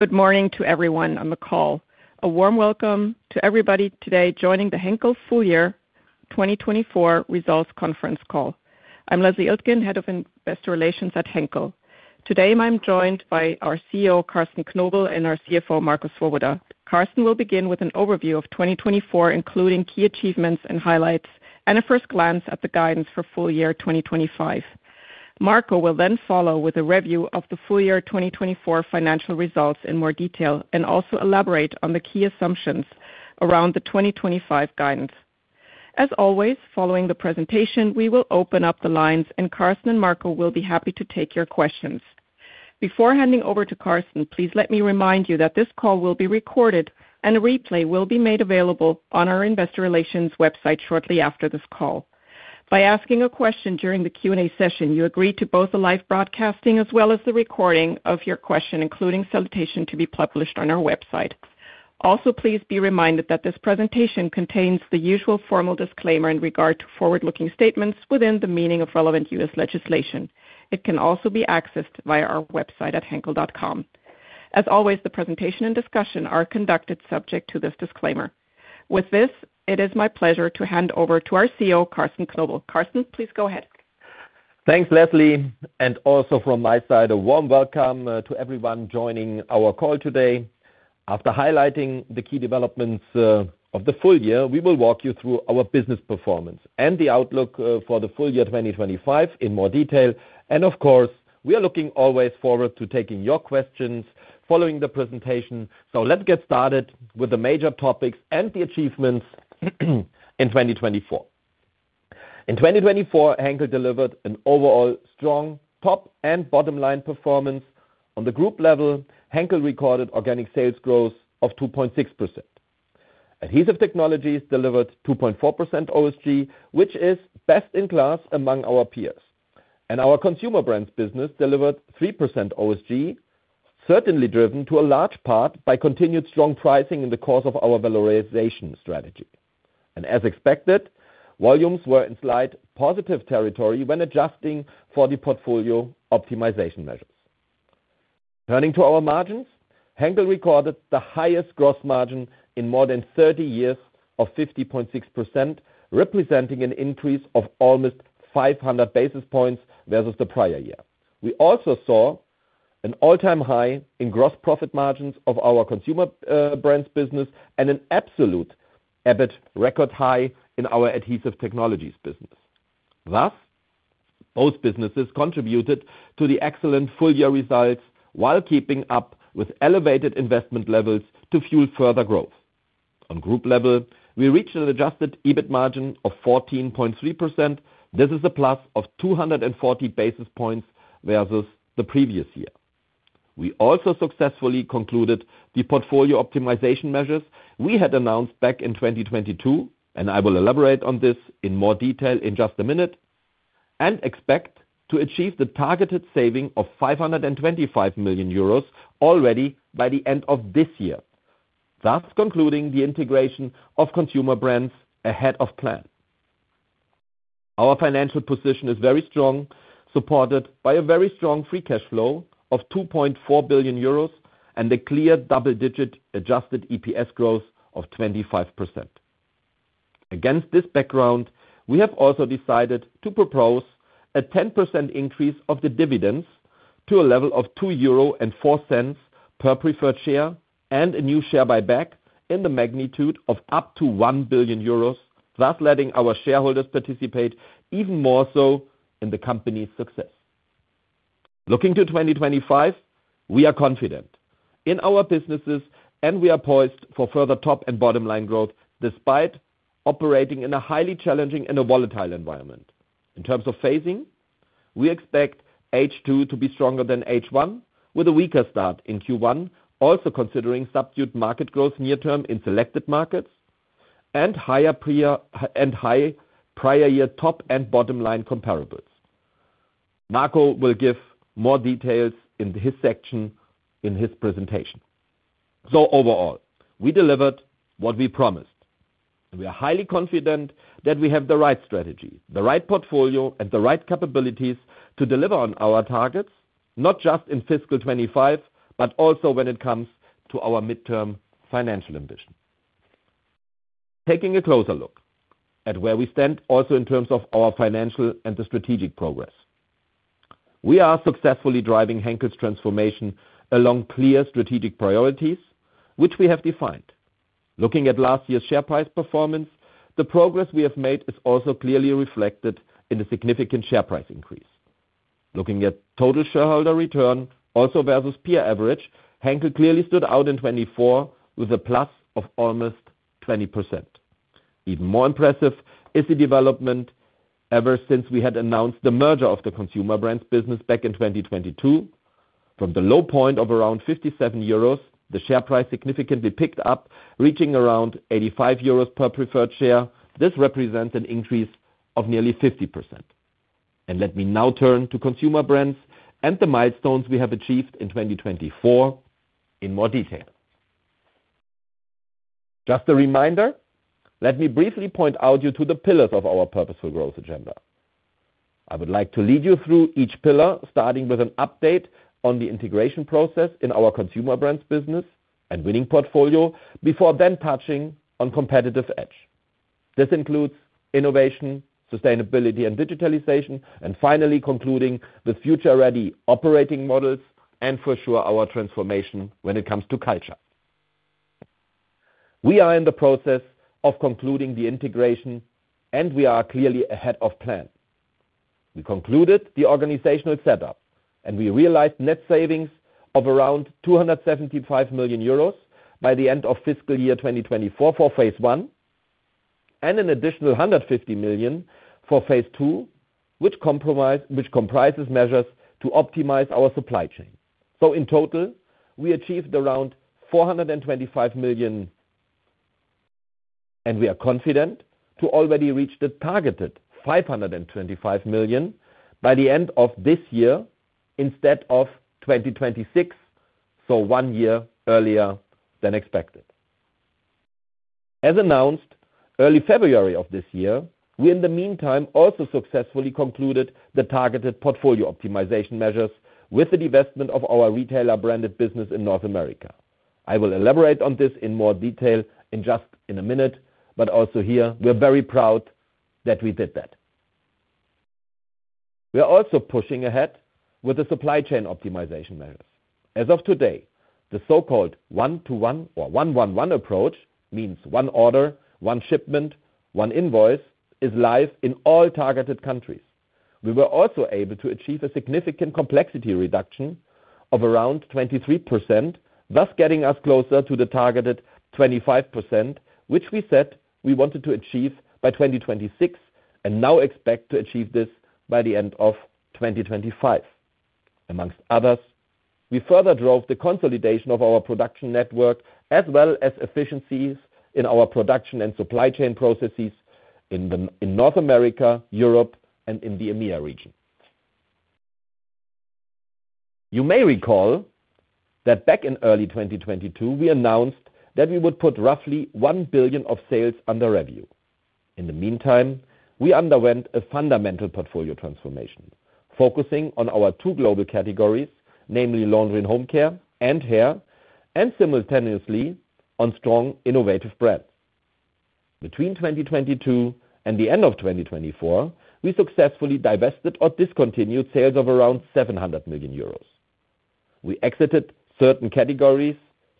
Good morning to everyone on the call. A warm welcome to everybody today joining the Henkel full year 2024 results conference call. I'm Leslie Iltgen, Head of Investor Relations at Henkel. Today, I'm joined by our CEO, Carsten Knobel, and our CFO, Marco Swoboda. Carsten will begin with an overview of 2024, including key achievements and highlights, and a first glance at the guidance for full year 2025. Marco will then follow with a review of the full year 2024 financial results in more detail and also elaborate on the key assumptions around the 2025 guidance. As always, following the presentation, we will open up the lines, and Carsten and Marco will be happy to take your questions. Before handing over to Carsten, please let me remind you that this call will be recorded, and a replay will be made available on our Investor Relations website shortly after this call. By asking a question during the Q&A session, you agree to both the live broadcasting as well as the recording of your question, including salutation to be published on our website. Also, please be reminded that this presentation contains the usual formal disclaimer in regard to forward-looking statements within the meaning of relevant U.S. legislation. It can also be accessed via our website at henkel.com. As always, the presentation and discussion are conducted subject to this disclaimer. With this, it is my pleasure to hand over to our CEO, Carsten Knobel. Carsten, please go ahead. Thanks, Leslie. Also from my side, a warm welcome to everyone joining our call today. After highlighting the key developments of the full year, we will walk you through our business performance and the outlook for the full year 2025 in more detail. Of course, we are looking always forward to taking your questions following the presentation. Let's get started with the major topics and the achievements in 2024. In 2024, Henkel delivered an overall strong top and bottom line performance. On the group level, Henkel recorded organic sales growth of 2.6%. Adhesive Technologies delivered 2.4% OSG, which is best in class among our peers. Our Consumer Brands business delivered 3% OSG, certainly driven to a large part by continued strong pricing in the course of our valorization strategy. As expected, volumes were in slight positive territory when adjusting for the portfolio optimization measures. Turning to our margins, Henkel recorded the highest gross margin in more than 30 years of 50.6%, representing an increase of almost 500 basis points versus the prior year. We also saw an all-time high in gross profit margins of our consumer brands business and an absolute EBIT record high in our adhesive technologies business. Thus, both businesses contributed to the excellent full year results while keeping up with elevated investment levels to fuel further growth. On group level, we reached an adjusted EBIT margin of 14.3%. This is a plus of 240 basis points versus the previous year. We also successfully concluded the portfolio optimization measures we had announced back in 2022, and I will elaborate on this in more detail in just a minute, and expect to achieve the targeted saving of 525 million euros already by the end of this year, thus concluding the integration of consumer brands ahead of plan. Our financial position is very strong, supported by a very strong free cash flow of 2.4 billion euros and a clear double-digit adjusted EPS growth of 25%. Against this background, we have also decided to propose a 10% increase of the dividends to a level of 2.04 euro per preferred share and a new share buyback in the magnitude of up to 1 billion euros, thus letting our shareholders participate even more so in the company's success. Looking to 2025, we are confident in our businesses, and we are poised for further top and bottom line growth despite operating in a highly challenging and a volatile environment. In terms of phasing, we expect H2 to be stronger than H1, with a weaker start in Q1, also considering subdued market growth near-term in selected markets and higher prior year top and bottom line comparables. Marco will give more details in his section in his presentation. Overall, we delivered what we promised. We are highly confident that we have the right strategy, the right portfolio, and the right capabilities to deliver on our targets, not just in fiscal 2025, but also when it comes to our midterm financial ambition. Taking a closer look at where we stand, also in terms of our financial and the strategic progress, we are successfully driving Henkel's transformation along clear strategic priorities, which we have defined. Looking at last year's share price performance, the progress we have made is also clearly reflected in the significant share price increase. Looking at total shareholder return, also versus peer average, Henkel clearly stood out in 2024 with a plus of almost 20%. Even more impressive is the development ever since we had announced the merger of the consumer brands business back in 2022. From the low point of around 57 euros, the share price significantly picked up, reaching around 85 euros per preferred share. This represents an increase of nearly 50%. Let me now turn to consumer brands and the milestones we have achieved in 2024 in more detail. Just a reminder, let me briefly point out to you the pillars of our purposeful growth agenda. I would like to lead you through each pillar, starting with an update on the integration process in our Consumer Brands business and winning portfolio before then touching on competitive edge. This includes innovation, sustainability, and digitalization, and finally concluding with future-ready operating models and, for sure, our transformation when it comes to culture. We are in the process of concluding the integration, and we are clearly ahead of plan. We concluded the organizational setup, and we realized net savings of around 275 million euros by the end of fiscal year 2024 for phase one and an additional 150 million for phase two, which comprises measures to optimize our supply chain. In total, we achieved around 425 million, and we are confident to already reach the targeted 525 million by the end of this year instead of 2026, so one year earlier than expected. As announced early February of this year, we, in the meantime, also successfully concluded the targeted portfolio optimization measures with the divestment of our retailer-branded business in North America. I will elaborate on this in more detail in just a minute, but also here, we're very proud that we did that. We are also pushing ahead with the supply chain optimization measures. As of today, the so-called one-one-one approach means one order, one shipment, one invoice is live in all targeted countries. We were also able to achieve a significant complexity reduction of around 23%, thus getting us closer to the targeted 25%, which we said we wanted to achieve by 2026 and now expect to achieve this by the end of 2025. Amongst others, we further drove the consolidation of our production network as well as efficiencies in our production and supply chain processes in North America, Europe, and in the EMEA region. You may recall that back in early 2022, we announced that we would put roughly 1 billion of sales under review. In the meantime, we underwent a fundamental portfolio transformation, focusing on our two global categories, namely Laundry & Home Care and Hair, and simultaneously on strong innovative brands. Between 2022 and the end of 2024, we successfully divested or discontinued sales of around 700 million euros. We exited certain categories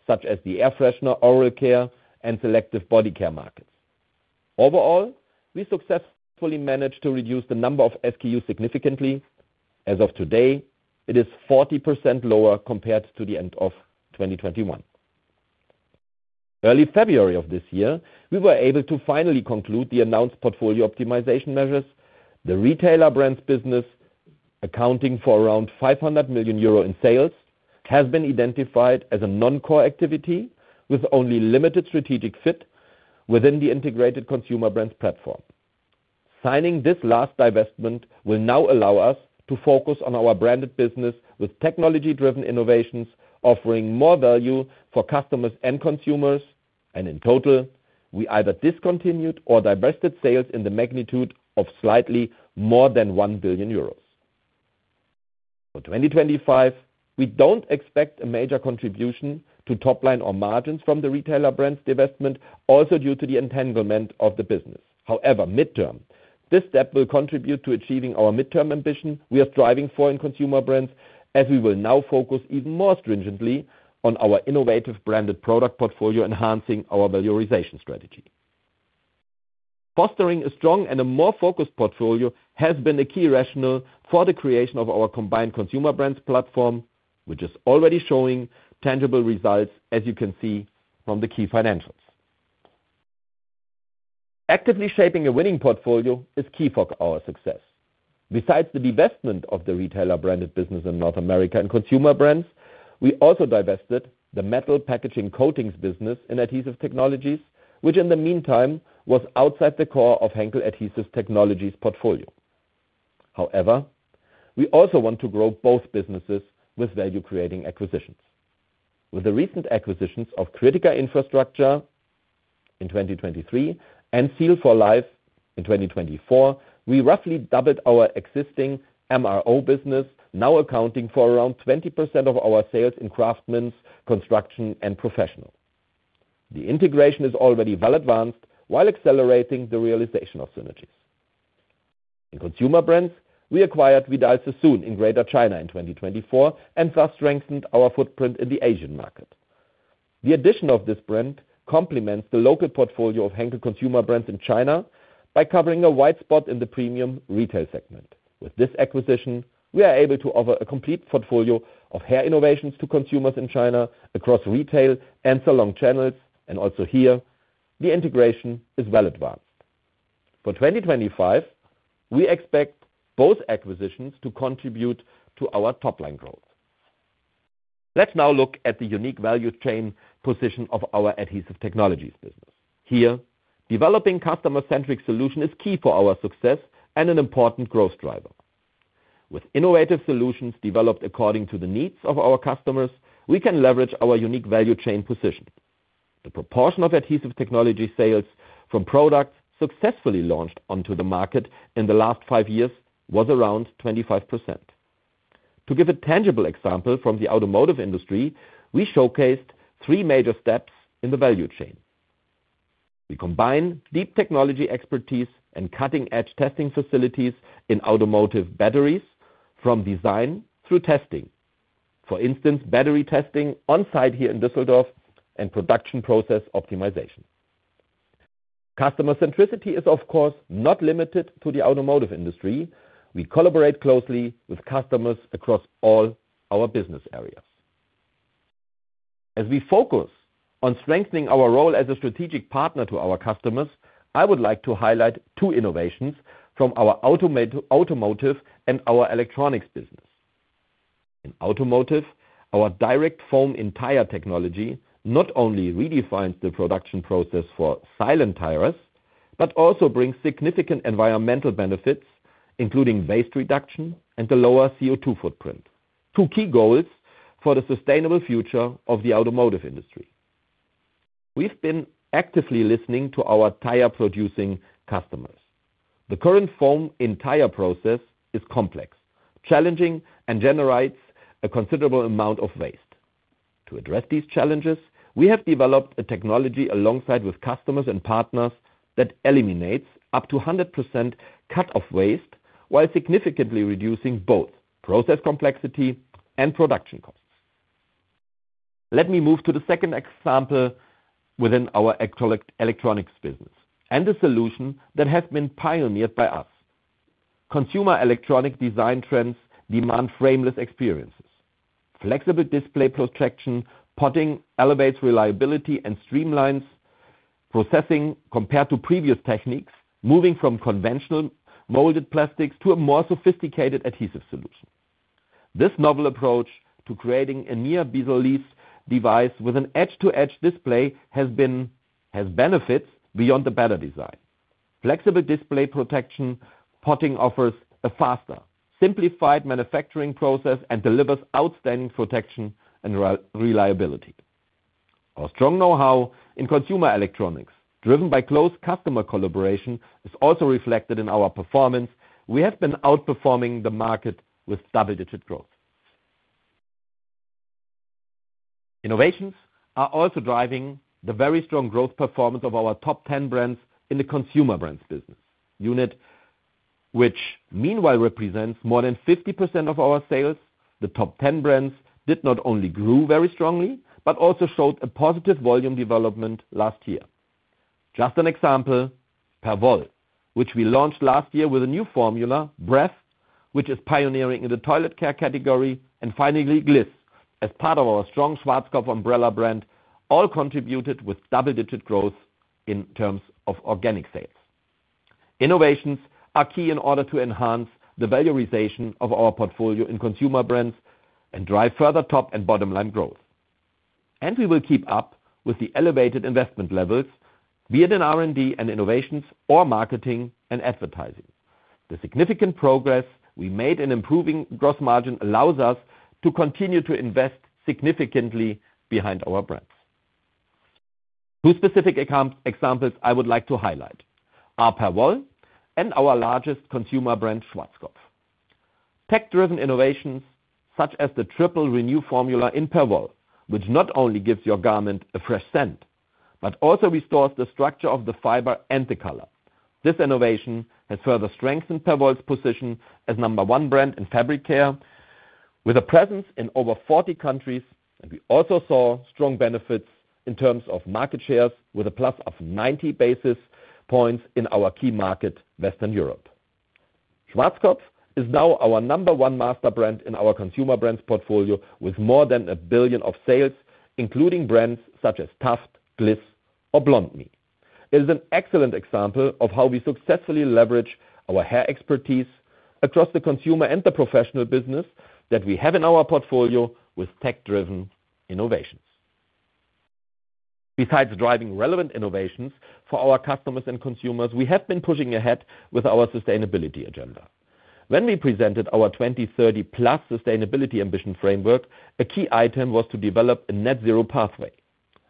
such as the air freshener, oral care, and selective body care markets. Overall, we successfully managed to reduce the number of SKUs significantly. As of today, it is 40% lower compared to the end of 2021. Early February of this year, we were able to finally conclude the announced portfolio optimization measures. The retailer brands business accounting for around 500 million euro in sales has been identified as a non-core activity with only limited strategic fit within the integrated consumer brands platform. Signing this last divestment will now allow us to focus on our branded business with technology-driven innovations offering more value for customers and consumers. In total, we either discontinued or divested sales in the magnitude of slightly more than 1 billion euros. For 2025, we don't expect a major contribution to top line or margins from the retailer brands divestment, also due to the entanglement of the business. However, midterm, this step will contribute to achieving our midterm ambition we are striving for in consumer brands, as we will now focus even more stringently on our innovative branded product portfolio, enhancing our valorization strategy. Fostering a strong and a more focused portfolio has been a key rationale for the creation of our combined consumer brands platform, which is already showing tangible results, as you can see from the key financials. Actively shaping a winning portfolio is key for our success. Besides the divestment of the retailer branded business in North America and consumer brands, we also divested the metal packaging coatings business in Adhesive Technologies, which in the meantime was outside the core of Henkel Adhesive Technologies' portfolio. However, we also want to grow both businesses with value-creating acquisitions. With the recent acquisitions of Kritika Infrastructure in 2023 and Seal for Life in 2024, we roughly doubled our existing MRO business, now accounting for around 20% of our sales in craftsmen, construction, and professionals. The integration is already well advanced while accelerating the realization of synergies. In consumer brands, we acquired Vidal Sassoon in Greater China in 2024 and thus strengthened our footprint in the Asian market. The addition of this brand complements the local portfolio of Henkel consumer brands in China by covering a wide spot in the premium retail segment. With this acquisition, we are able to offer a complete portfolio of hair innovations to consumers in China across retail and salon channels. Also here, the integration is well advanced. For 2025, we expect both acquisitions to contribute to our top line growth. Let's now look at the unique value chain position of our Adhesive Technologies business. Here, developing a customer-centric solution is key for our success and an important growth driver. With innovative solutions developed according to the needs of our customers, we can leverage our unique value chain position. The proportion of Adhesive Technologies sales from products successfully launched onto the market in the last five years was around 25%. To give a tangible example from the automotive industry, we showcased three major steps in the value chain. We combine deep technology expertise and cutting-edge testing facilities in automotive batteries from design through testing. For instance, battery testing on-site here in Düsseldorf and production process optimization. Customer-centricity is, of course, not limited to the automotive industry. We collaborate closely with customers across all our business areas. As we focus on strengthening our role as a strategic partner to our customers, I would like to highlight two innovations from our automotive and our electronics business. In automotive, our direct foam in tire technology not only redefines the production process for silent tires, but also brings significant environmental benefits, including waste reduction and a lower CO2 footprint, two key goals for the sustainable future of the automotive industry. We've been actively listening to our tire-producing customers. The current foam in tire process is complex, challenging, and generates a considerable amount of waste. To address these challenges, we have developed a technology alongside customers and partners that eliminates up to 100% cut-off waste while significantly reducing both process complexity and production costs. Let me move to the second example within our electronics business and the solution that has been pioneered by us. Consumer electronic design trends demand frameless experiences. Flexible display protection potting elevates reliability and streamlines processing compared to previous techniques, moving from conventional molded plastics to a more sophisticated adhesive solution. This novel approach to creating a near-bezel-less device with an edge-to-edge display has benefits beyond the better design. Flexible display protection potting offers a faster, simplified manufacturing process and delivers outstanding protection and reliability. Our strong know-how in consumer electronics, driven by close customer collaboration, is also reflected in our performance. We have been outperforming the market with double-digit growth. Innovations are also driving the very strong growth performance of our top 10 brands in the Consumer Brands business unit, which meanwhile represents more than 50% of our sales. The top 10 brands did not only grow very strongly, but also showed a positive volume development last year. Just an example, Pavol, which we launched last year with a new formula, Breath, which is pioneering in the toilet care category, and finally, Glyph as part of our strong Schwarzkopf umbrella brand, all contributed with double-digit growth in terms of organic sales. Innovations are key in order to enhance the valorization of our portfolio in consumer brands and drive further top and bottom-line growth. We will keep up with the elevated investment levels via R&D and innovations or marketing and advertising. The significant progress we made in improving gross margin allows us to continue to invest significantly behind our brands. Two specific examples I would like to highlight are Pavol and our largest consumer brand, Schwarzkopf. Tech-driven innovations such as the triple-renew formula in Pavol, which not only gives your garment a fresh scent, but also restores the structure of the fiber and the color. This innovation has further strengthened Pavol's position as number one brand in fabric care with a presence in over 40 countries. We also saw strong benefits in terms of market shares with a plus of 90 basis points in our key market, Western Europe. Schwarzkopf is now our number one master brand in our consumer brands portfolio with more than 1 billion of sales, including brands such as Taft, Glyph, or Blond Me. It is an excellent example of how we successfully leverage our hair expertise across the consumer and the professional business that we have in our portfolio with tech-driven innovations. Besides driving relevant innovations for our customers and consumers, we have been pushing ahead with our sustainability agenda. When we presented our 2030+ sustainability ambition framework, a key item was to develop a net-zero pathway.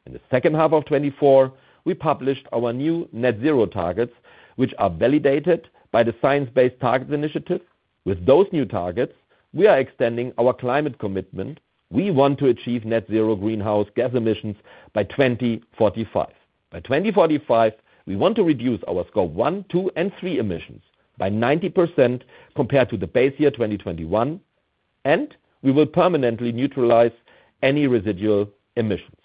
In the second half of 2024, we published our new net-zero targets, which are validated by the Science-Based Targets Initiative. With those new targets, we are extending our climate commitment. We want to achieve net-zero greenhouse gas emissions by 2045. By 2045, we want to reduce our scope one, two, and three emissions by 90% compared to the base year 2021, and we will permanently neutralize any residual emissions.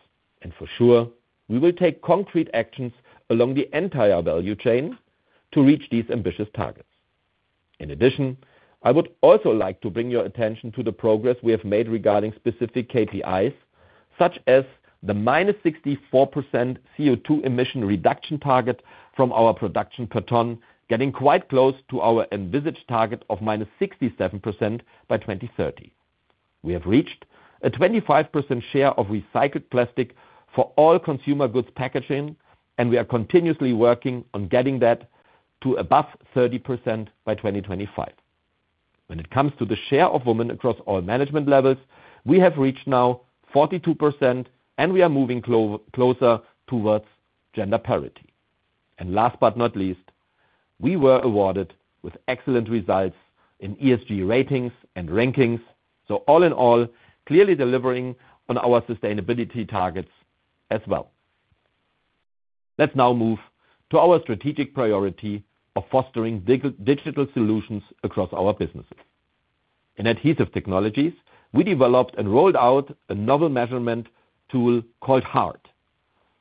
For sure, we will take concrete actions along the entire value chain to reach these ambitious targets. In addition, I would also like to bring your attention to the progress we have made regarding specific KPIs, such as the minus 64% CO2 emission reduction target from our production per ton, getting quite close to our envisaged target of minus 67% by 2030. We have reached a 25% share of recycled plastic for all consumer goods packaging, and we are continuously working on getting that to above 30% by 2025. When it comes to the share of women across all management levels, we have reached now 42%, and we are moving closer towards gender parity. Last but not least, we were awarded with excellent results in ESG ratings and rankings. All in all, clearly delivering on our sustainability targets as well. Let's now move to our strategic priority of fostering digital solutions across our businesses. In Adhesive Technologies, we developed and rolled out a novel measurement tool called HART,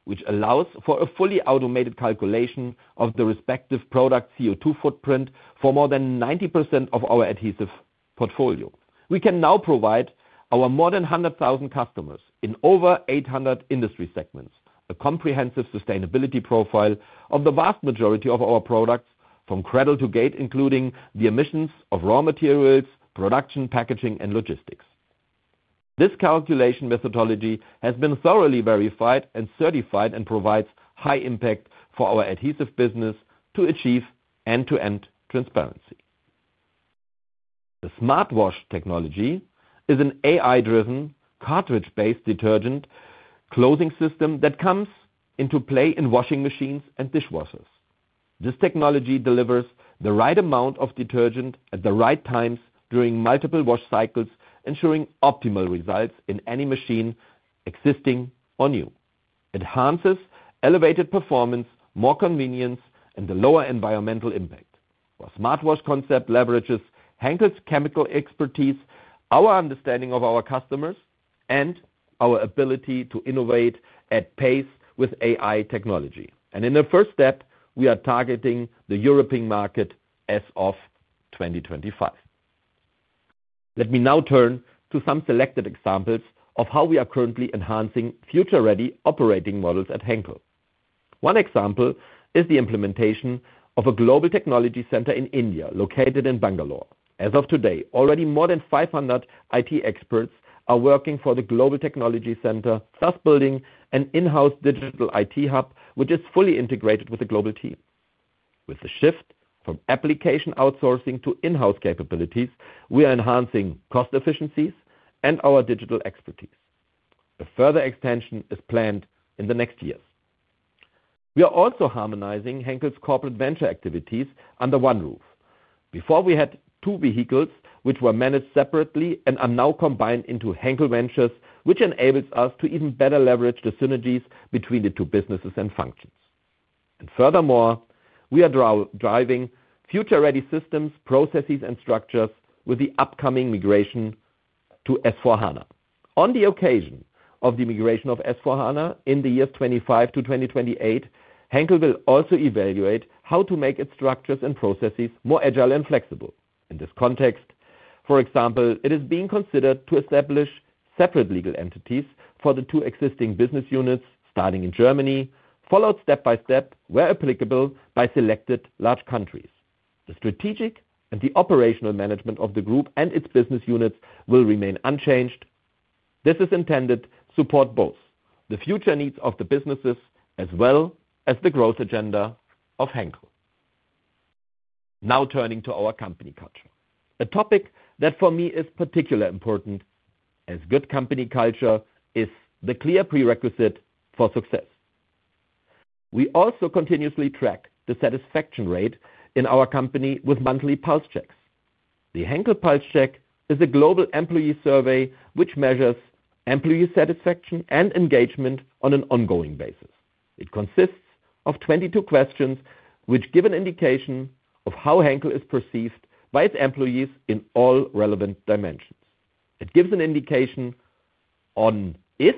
which allows for a fully automated calculation of the respective product CO2 footprint for more than 90% of our adhesive portfolio. We can now provide our more than 100,000 customers in over 800 industry segments a comprehensive sustainability profile of the vast majority of our products from cradle to gate, including the emissions of raw materials, production, packaging, and logistics. This calculation methodology has been thoroughly verified and certified and provides high impact for our adhesive business to achieve end-to-end transparency. The Smart Wash technology is an AI-driven cartridge-based detergent dosing system that comes into play in washing machines and dishwashers. This technology delivers the right amount of detergent at the right times during multiple wash cycles, ensuring optimal results in any machine existing or new. It enhances elevated performance, more convenience, and the lower environmental impact. Our Smart Wash concept leverages Henkel's chemical expertise, our understanding of our customers, and our ability to innovate at pace with AI technology. In the first step, we are targeting the European market as of 2025. Let me now turn to some selected examples of how we are currently enhancing future-ready operating models at Henkel. One example is the implementation of a global technology center in India located in Bangalore. As of today, already more than 500 IT experts are working for the global technology center, thus building an in-house digital IT hub, which is fully integrated with the global team. With the shift from application outsourcing to in-house capabilities, we are enhancing cost efficiencies and our digital expertise. A further expansion is planned in the next years. We are also harmonizing Henkel's corporate venture activities under one roof. Before, we had two vehicles, which were managed separately and are now combined into Henkel Ventures, which enables us to even better leverage the synergies between the two businesses and functions. Furthermore, we are driving future-ready systems, processes, and structures with the upcoming migration to S/4HANA. On the occasion of the migration of S/4HANA in the years 2025 to 2028, Henkel will also evaluate how to make its structures and processes more agile and flexible. In this context, for example, it is being considered to establish separate legal entities for the two existing business units starting in Germany, followed step by step, where applicable, by selected large countries. The strategic and the operational management of the group and its business units will remain unchanged. This is intended to support both the future needs of the businesses as well as the growth agenda of Henkel. Now turning to our company culture, a topic that for me is particularly important as good company culture is the clear prerequisite for success. We also continuously track the satisfaction rate in our company with monthly pulse checks. The Henkel Pulse Check is a global employee survey which measures employee satisfaction and engagement on an ongoing basis. It consists of 22 questions which give an indication of how Henkel is perceived by its employees in all relevant dimensions. It gives an indication on if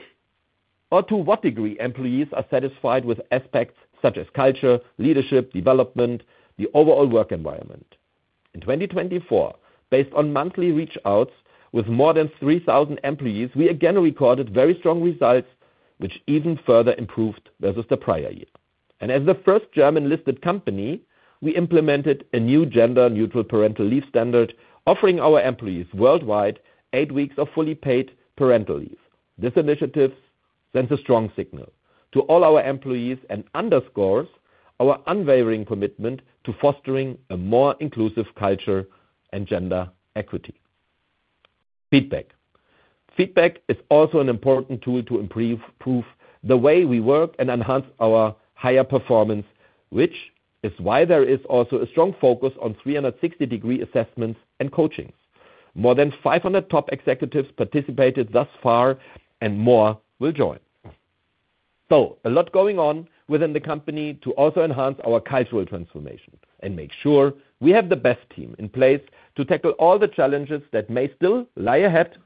or to what degree employees are satisfied with aspects such as culture, leadership, development, the overall work environment. In 2024, based on monthly reach-outs with more than 3,000 employees, we again recorded very strong results, which even further improved versus the prior year. As the first German-listed company, we implemented a new gender-neutral parental leave standard, offering our employees worldwide eight weeks of fully paid parental leave. This initiative sends a strong signal to all our employees and underscores our unwavering commitment to fostering a more inclusive culture and gender equity. Feedback is also an important tool to improve the way we work and enhance our higher performance, which is why there is also a strong focus on 360-degree assessments and coachings. More than 500 top executives participated thus far, and more will join. A lot is going on within the company to also enhance our cultural transformation and make sure we have the best team in place to tackle all the challenges that may still lie ahead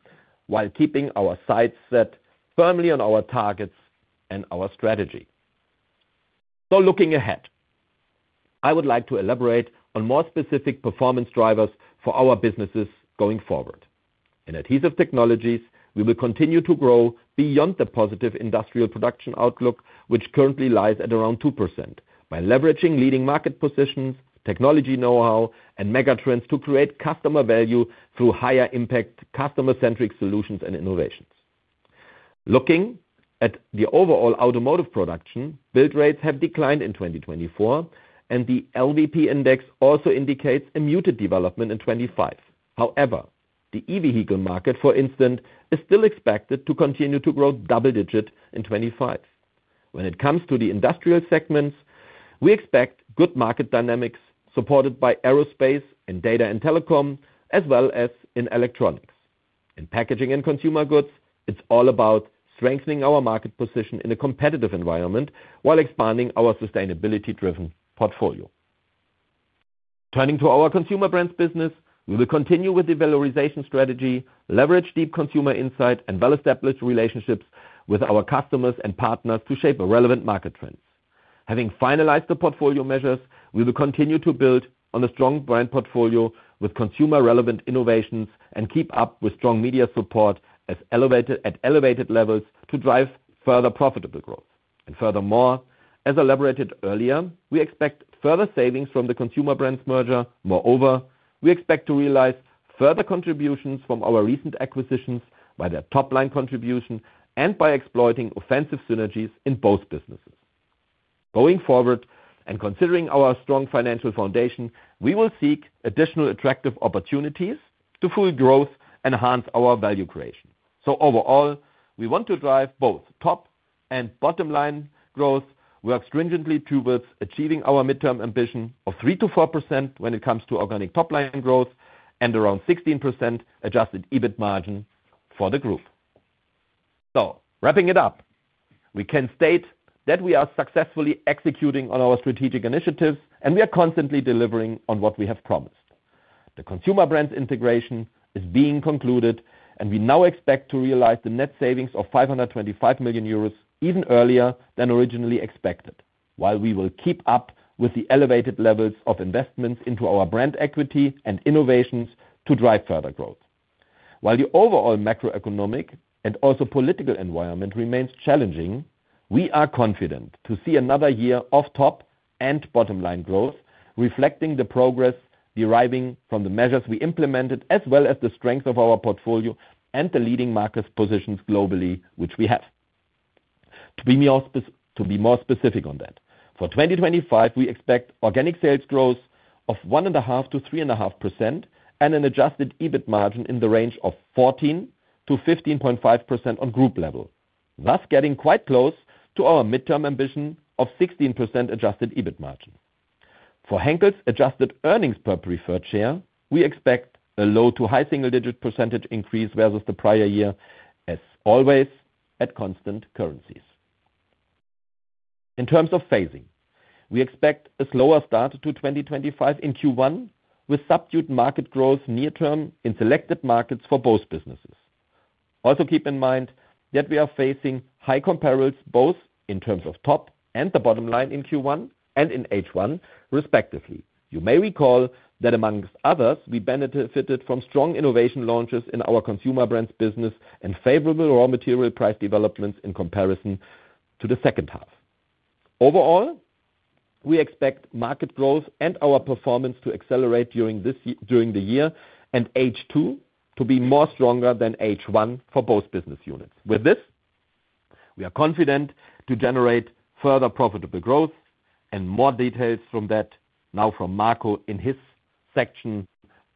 while keeping our sights set firmly on our targets and our strategy. Looking ahead, I would like to elaborate on more specific performance drivers for our businesses going forward. In Adhesive Technologies, we will continue to grow beyond the positive industrial production outlook, which currently lies at around 2%, by leveraging leading market positions, technology know-how, and megatrends to create customer value through higher-impact, customer-centric solutions and innovations. Looking at the overall automotive production, build rates have declined in 2024, and the LVP index also indicates a muted development in 2025. However, the e-vehicle market, for instance, is still expected to continue to grow double-digit in 2025. When it comes to the industrial segments, we expect good market dynamics supported by aerospace and data and telecom, as well as in electronics. In packaging and consumer goods, it is all about strengthening our market position in a competitive environment while expanding our sustainability-driven portfolio. Turning to our consumer brands business, we will continue with the valorization strategy, leverage deep consumer insight, and well-established relationships with our customers and partners to shape relevant market trends. Having finalized the portfolio measures, we will continue to build on a strong brand portfolio with consumer-relevant innovations and keep up with strong media support at elevated levels to drive further profitable growth. Furthermore, as elaborated earlier, we expect further savings from the consumer brands merger. Moreover, we expect to realize further contributions from our recent acquisitions by their top-line contribution and by exploiting offensive synergies in both businesses. Going forward and considering our strong financial foundation, we will seek additional attractive opportunities to fuel growth and enhance our value creation. Overall, we want to drive both top and bottom-line growth, work stringently towards achieving our midterm ambition of 3-4% when it comes to organic top-line growth and around 16% adjusted EBIT margin for the group. Wrapping it up, we can state that we are successfully executing on our strategic initiatives, and we are constantly delivering on what we have promised. The Consumer Brands integration is being concluded, and we now expect to realize the net savings of 525 million euros even earlier than originally expected, while we will keep up with the elevated levels of investments into our brand equity and innovations to drive further growth. While the overall macroeconomic and also political environment remains challenging, we are confident to see another year of top and bottom-line growth reflecting the progress deriving from the measures we implemented, as well as the strength of our portfolio and the leading market positions globally, which we have. To be more specific on that, for 2025, we expect organic sales growth of 1.5-3.5% and an adjusted EBIT margin in the range of 14-15.5% on group level, thus getting quite close to our midterm ambition of 16% adjusted EBIT margin. For Henkel's adjusted earnings per preferred share, we expect a low to high single-digit percentage increase versus the prior year, as always at constant currencies. In terms of phasing, we expect a slower start to 2025 in Q1 with subdued market growth near-term in selected markets for both businesses. Also keep in mind that we are facing high comparables both in terms of top and the bottom line in Q1 and in H1, respectively. You may recall that amongst others, we benefited from strong innovation launches in our consumer brands business and favorable raw material price developments in comparison to the second half. Overall, we expect market growth and our performance to accelerate during the year and H2 to be more stronger than H1 for both business units. With this, we are confident to generate further profitable growth and more details from that now from Marco in his section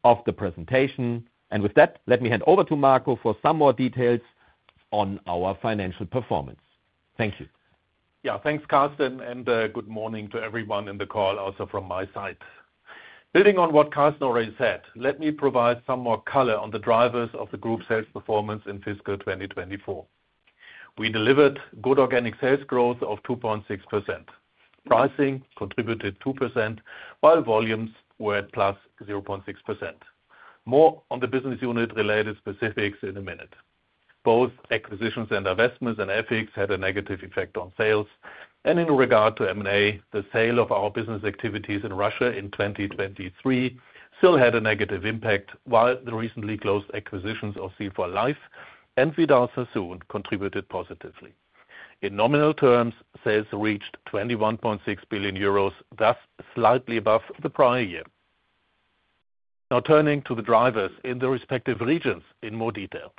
of the presentation. With that, let me hand over to Marco for some more details on our financial performance. Thank you. Yeah, thanks, Carsten, and good morning to everyone in the call also from my side. Building on what Carsten already said, let me provide some more color on the drivers of the group sales performance in fiscal 2024. We delivered good organic sales growth of 2.6%. Pricing contributed 2%, while volumes were at plus 0.6%. More on the business unit-related specifics in a minute. Both acquisitions and investments and FX had a negative effect on sales. In regard to M&A, the sale of our business activities in Russia in 2023 still had a negative impact, while the recently closed acquisitions of Seal for Life and Vidal Sassoon contributed positively. In nominal terms, sales reached 21.6 billion euros, thus slightly above the prior year. Now turning to the drivers in the respective regions in more detail.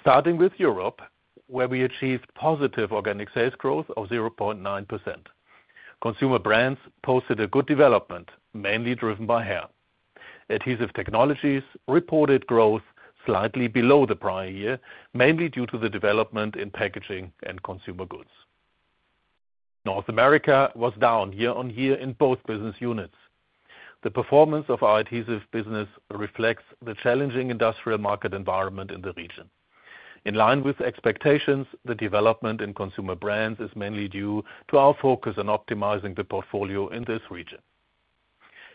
Starting with Europe, where we achieved positive organic sales growth of 0.9%. Consumer Brands posted a good development, mainly driven by hair. Adhesive Technologies reported growth slightly below the prior year, mainly due to the development in packaging and consumer goods. North America was down year on year in both business units. The performance of our adhesive business reflects the challenging industrial market environment in the region. In line with expectations, the development in Consumer Brands is mainly due to our focus on optimizing the portfolio in this region.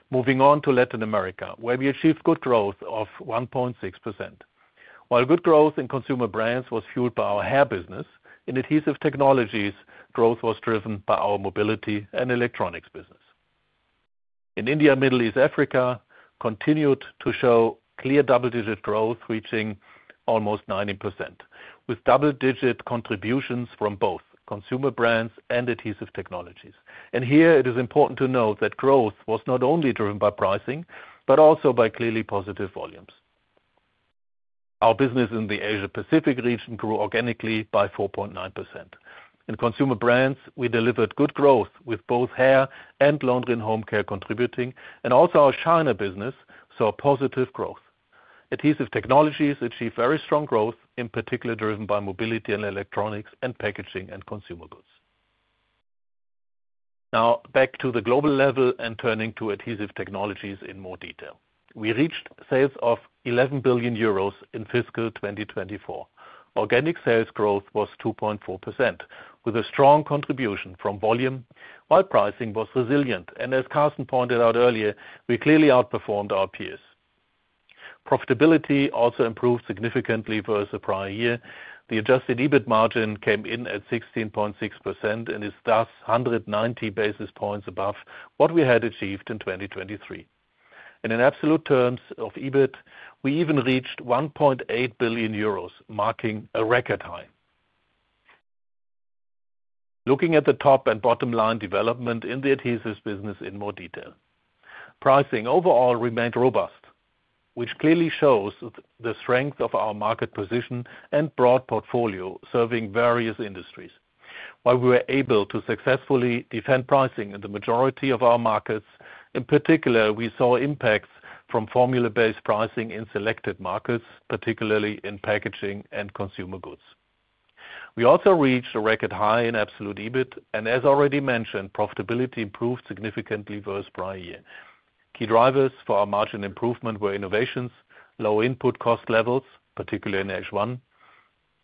Moving on to Latin America, where we achieved good growth of 1.6%. While good growth in Consumer Brands was fueled by our hair business, in Adhesive Technologies, growth was driven by our mobility and electronics business. In India, Middle East, Africa continued to show clear double-digit growth reaching almost 90%, with double-digit contributions from both Consumer Brands and Adhesive Technologies. Here, it is important to note that growth was not only driven by pricing, but also by clearly positive volumes. Our business in the Asia-Pacific region grew organically by 4.9%. In consumer brands, we delivered good growth with both hair and laundry and home care contributing, and also our China business saw positive growth. Adhesive Technologies achieved very strong growth, in particular driven by mobility and electronics and packaging and consumer goods. Now back to the global level and turning to Adhesive Technologies in more detail. We reached sales of 11 billion euros in fiscal 2024. Organic sales growth was 2.4%, with a strong contribution from volume, while pricing was resilient. As Carsten pointed out earlier, we clearly outperformed our peers. Profitability also improved significantly versus the prior year. The adjusted EBIT margin came in at 16.6% and is thus 190 basis points above what we had achieved in 2023. In absolute terms of EBIT, we even reached 1.8 billion euros, marking a record high. Looking at the top and bottom line development in the adhesive business in more detail, pricing overall remained robust, which clearly shows the strength of our market position and broad portfolio serving various industries. While we were able to successfully defend pricing in the majority of our markets, in particular, we saw impacts from formula-based pricing in selected markets, particularly in packaging and consumer goods. We also reached a record high in absolute EBIT, and as already mentioned, profitability improved significantly versus prior year. Key drivers for our margin improvement were innovations, low input cost levels, particularly in H1,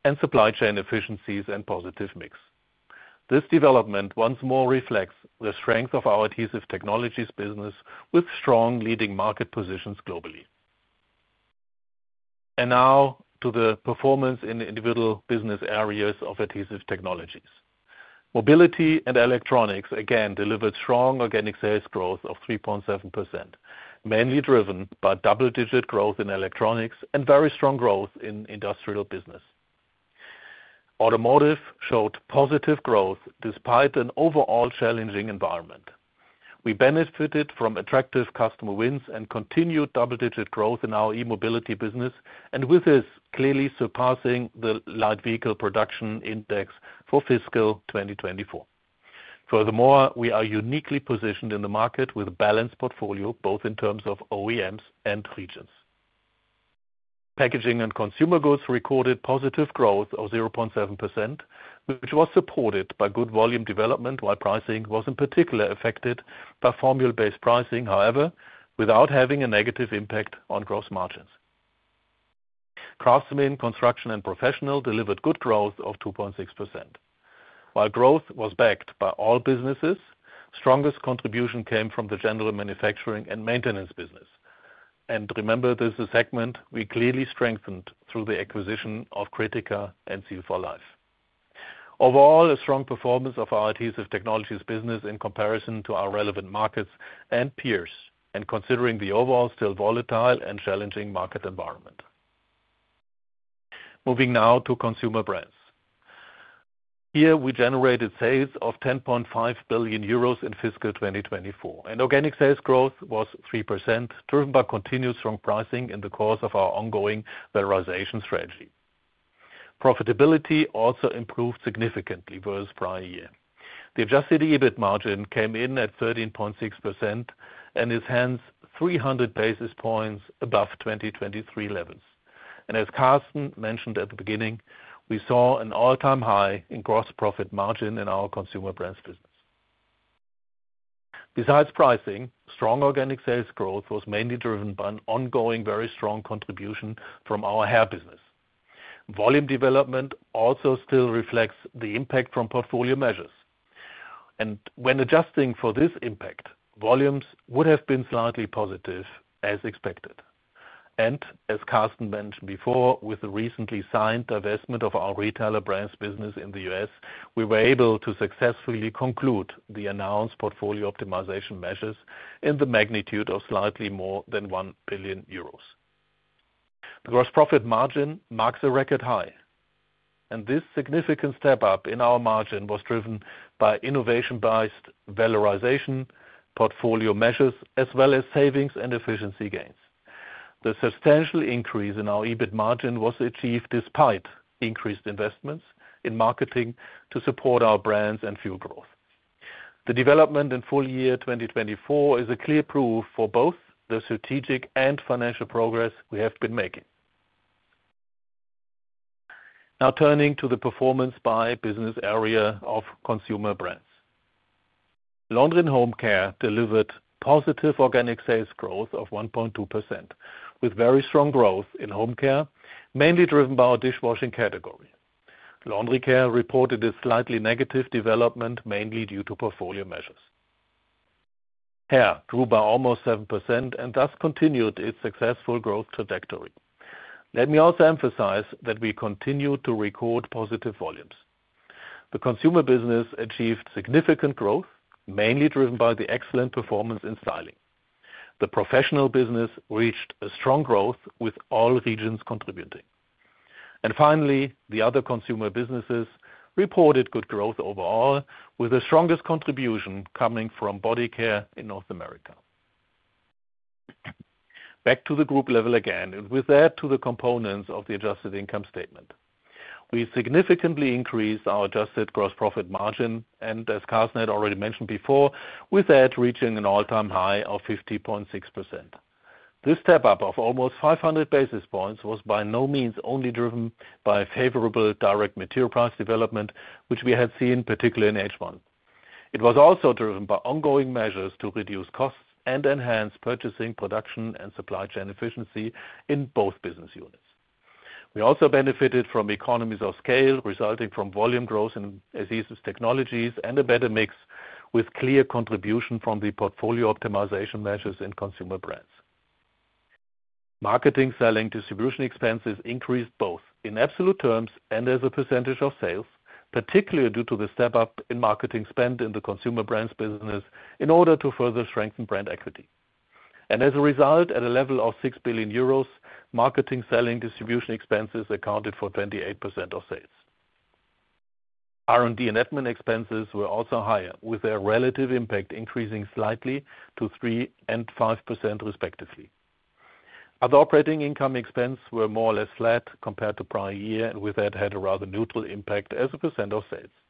and supply chain efficiencies and positive mix. This development once more reflects the strength of our Adhesive Technologies business with strong leading market positions globally. Now to the performance in individual business areas of Adhesive Technologies. Mobility and electronics again delivered strong organic sales growth of 3.7%, mainly driven by double-digit growth in electronics and very strong growth in industrial business. Automotive showed positive growth despite an overall challenging environment. We benefited from attractive customer wins and continued double-digit growth in our e-mobility business, and with this clearly surpassing the light vehicle production index for fiscal 2024. Furthermore, we are uniquely positioned in the market with a balanced portfolio, both in terms of OEMs and regions. Packaging and consumer goods recorded positive growth of 0.7%, which was supported by good volume development, while pricing was in particular affected by formula-based pricing, however, without having a negative impact on gross margins. Craftsmen, construction, and professionals delivered good growth of 2.6%. While growth was backed by all businesses, strongest contribution came from the general manufacturing and maintenance business. Remember, this is a segment we clearly strengthened through the acquisition of Kritika Infrastructure and Seal for Life. Overall, a strong performance of our Adhesive Technologies business in comparison to our relevant markets and peers, and considering the overall still volatile and challenging market environment. Moving now to Consumer Brands. Here, we generated sales of 10.5 billion euros in fiscal 2024, and organic sales growth was 3%, driven by continued strong pricing in the course of our ongoing valorization strategy. Profitability also improved significantly versus prior year. The adjusted EBIT margin came in at 13.6% and is hence 300 basis points above 2023 levels. As Carsten mentioned at the beginning, we saw an all-time high in gross profit margin in our Consumer Brands business. Besides pricing, strong organic sales growth was mainly driven by an ongoing very strong contribution from our hair business. Volume development also still reflects the impact from portfolio measures. When adjusting for this impact, volumes would have been slightly positive, as expected. As Carsten mentioned before, with the recently signed divestment of our retailer brands business in the US, we were able to successfully conclude the announced portfolio optimization measures in the magnitude of slightly more than 1 billion euros. The gross profit margin marks a record high, and this significant step up in our margin was driven by innovation-based valorization portfolio measures, as well as savings and efficiency gains. The substantial increase in our EBIT margin was achieved despite increased investments in marketing to support our brands and fuel growth. The development in full year 2024 is a clear proof for both the strategic and financial progress we have been making. Now turning to the performance by business area of consumer brands. Laundry and home care delivered positive organic sales growth of 1.2%, with very strong growth in home care, mainly driven by our dishwashing category. Laundry care reported a slightly negative development, mainly due to portfolio measures. Hair grew by almost 7% and thus continued its successful growth trajectory. Let me also emphasize that we continue to record positive volumes. The consumer business achieved significant growth, mainly driven by the excellent performance in styling. The professional business reached a strong growth with all regions contributing. Finally, the other consumer businesses reported good growth overall, with the strongest contribution coming from body care in North America. Back to the group level again, and with that to the components of the adjusted income statement. We significantly increased our adjusted gross profit margin, and as Carsten had already mentioned before, with that reaching an all-time high of 50.6%. This step up of almost 500 basis points was by no means only driven by favorable direct material price development, which we had seen, particularly in H1. It was also driven by ongoing measures to reduce costs and enhance purchasing, production, and supply chain efficiency in both business units. We also benefited from economies of scale resulting from volume growth in adhesive technologies and a better mix with clear contribution from the portfolio optimization measures in consumer brands. Marketing, selling, distribution expenses increased both in absolute terms and as a percentage of sales, particularly due to the step up in marketing spend in the consumer brands business in order to further strengthen brand equity. As a result, at a level of 6 billion euros, marketing, selling, distribution expenses accounted for 28% of sales. R&D and admin expenses were also higher, with their relative impact increasing slightly to 3% and 5% respectively. Other operating income expenses were more or less flat compared to prior year, and with that had a rather neutral impact as a percent of sales.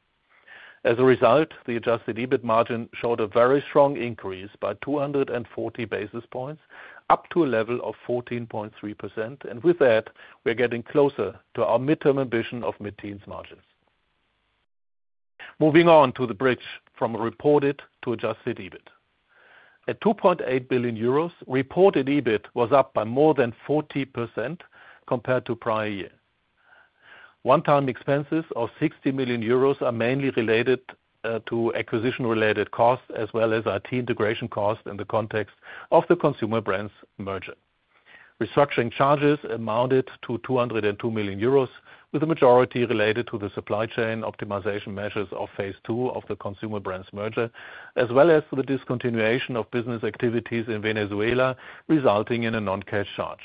As a result, the adjusted EBIT margin showed a very strong increase by 240 basis points, up to a level of 14.3%, and with that, we're getting closer to our midterm ambition of mid-teens margins. Moving on to the bridge from reported to adjusted EBIT. At 2.8 billion euros, reported EBIT was up by more than 40% compared to prior year. One-time expenses of 60 million euros are mainly related to acquisition-related costs, as well as IT integration costs in the context of the consumer brands merger. Restructuring charges amounted to 202 million euros, with the majority related to the supply chain optimization measures of phase two of the Consumer Brands merger, as well as the discontinuation of business activities in Venezuela, resulting in a non-cash charge.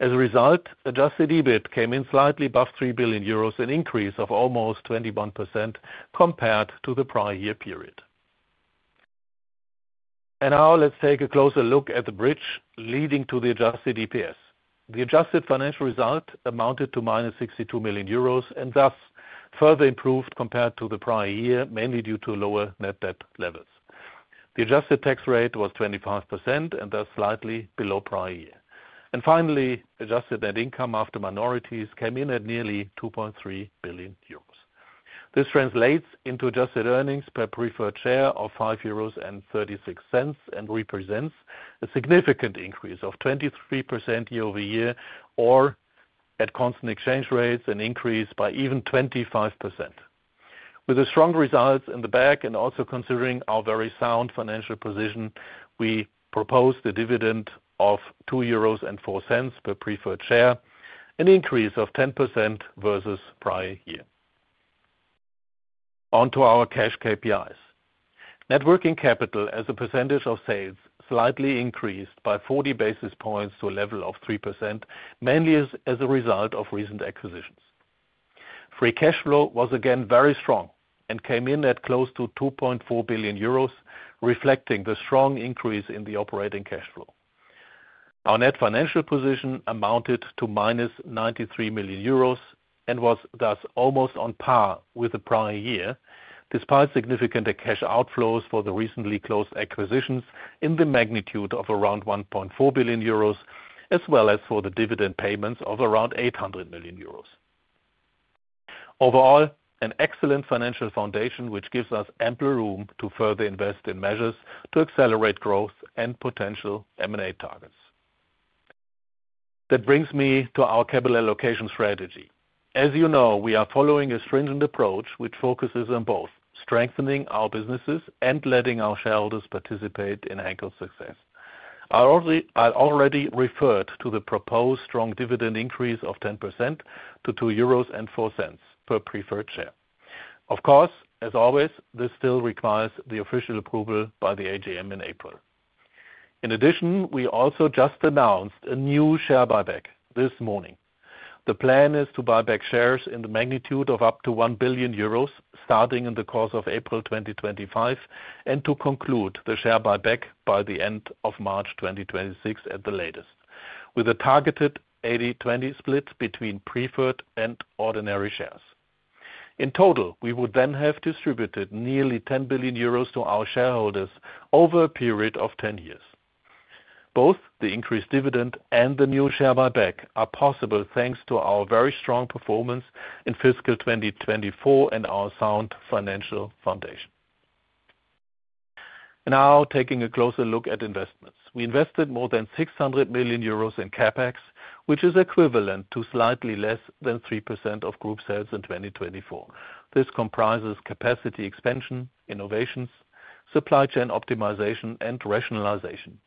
As a result, adjusted EBIT came in slightly above 3 billion euros, an increase of almost 21% compared to the prior year period. Now let's take a closer look at the bridge leading to the adjusted EPS. The adjusted financial result amounted to minus 62 million euros and thus further improved compared to the prior year, mainly due to lower net debt levels. The adjusted tax rate was 25% and thus slightly below prior year. Finally, adjusted net income after minorities came in at nearly 2.3 billion euros. This translates into adjusted earnings per preferred share of 5.36 euros and represents a significant increase of 23% year over year, or at constant exchange rates, an increase by even 25%. With the strong results in the back and also considering our very sound financial position, we propose the dividend of 2.04 euros per preferred share, an increase of 10% versus prior year. On to our cash KPIs. Net working capital as a percentage of sales slightly increased by 40 basis points to a level of 3%, mainly as a result of recent acquisitions. Free cash flow was again very strong and came in at close to 2.4 billion euros, reflecting the strong increase in the operating cash flow. Our net financial position amounted to minus 93 million euros and was thus almost on par with the prior year, despite significant cash outflows for the recently closed acquisitions in the magnitude of around 1.4 billion euros, as well as for the dividend payments of around 800 million euros. Overall, an excellent financial foundation, which gives us ample room to further invest in measures to accelerate growth and potential M&A targets. That brings me to our capital allocation strategy. As you know, we are following a stringent approach, which focuses on both strengthening our businesses and letting our shareholders participate in Henkel's success. I already referred to the proposed strong dividend increase of 10% to 2.04 euros per preferred share. Of course, as always, this still requires the official approval by the AGM in April. In addition, we also just announced a new share buyback this morning. The plan is to buy back shares in the magnitude of up to 1 billion euros starting in the course of April 2025 and to conclude the share buyback by the end of March 2026 at the latest, with a targeted 80/20 split between preferred and ordinary shares. In total, we would then have distributed nearly 10 billion euros to our shareholders over a period of 10 years. Both the increased dividend and the new share buyback are possible thanks to our very strong performance in fiscal 2024 and our sound financial foundation. Now taking a closer look at investments. We invested more than 600 million euros in CapEx, which is equivalent to slightly less than 3% of group sales in 2024. This comprises capacity expansion, innovations, supply chain optimization, and rationalization.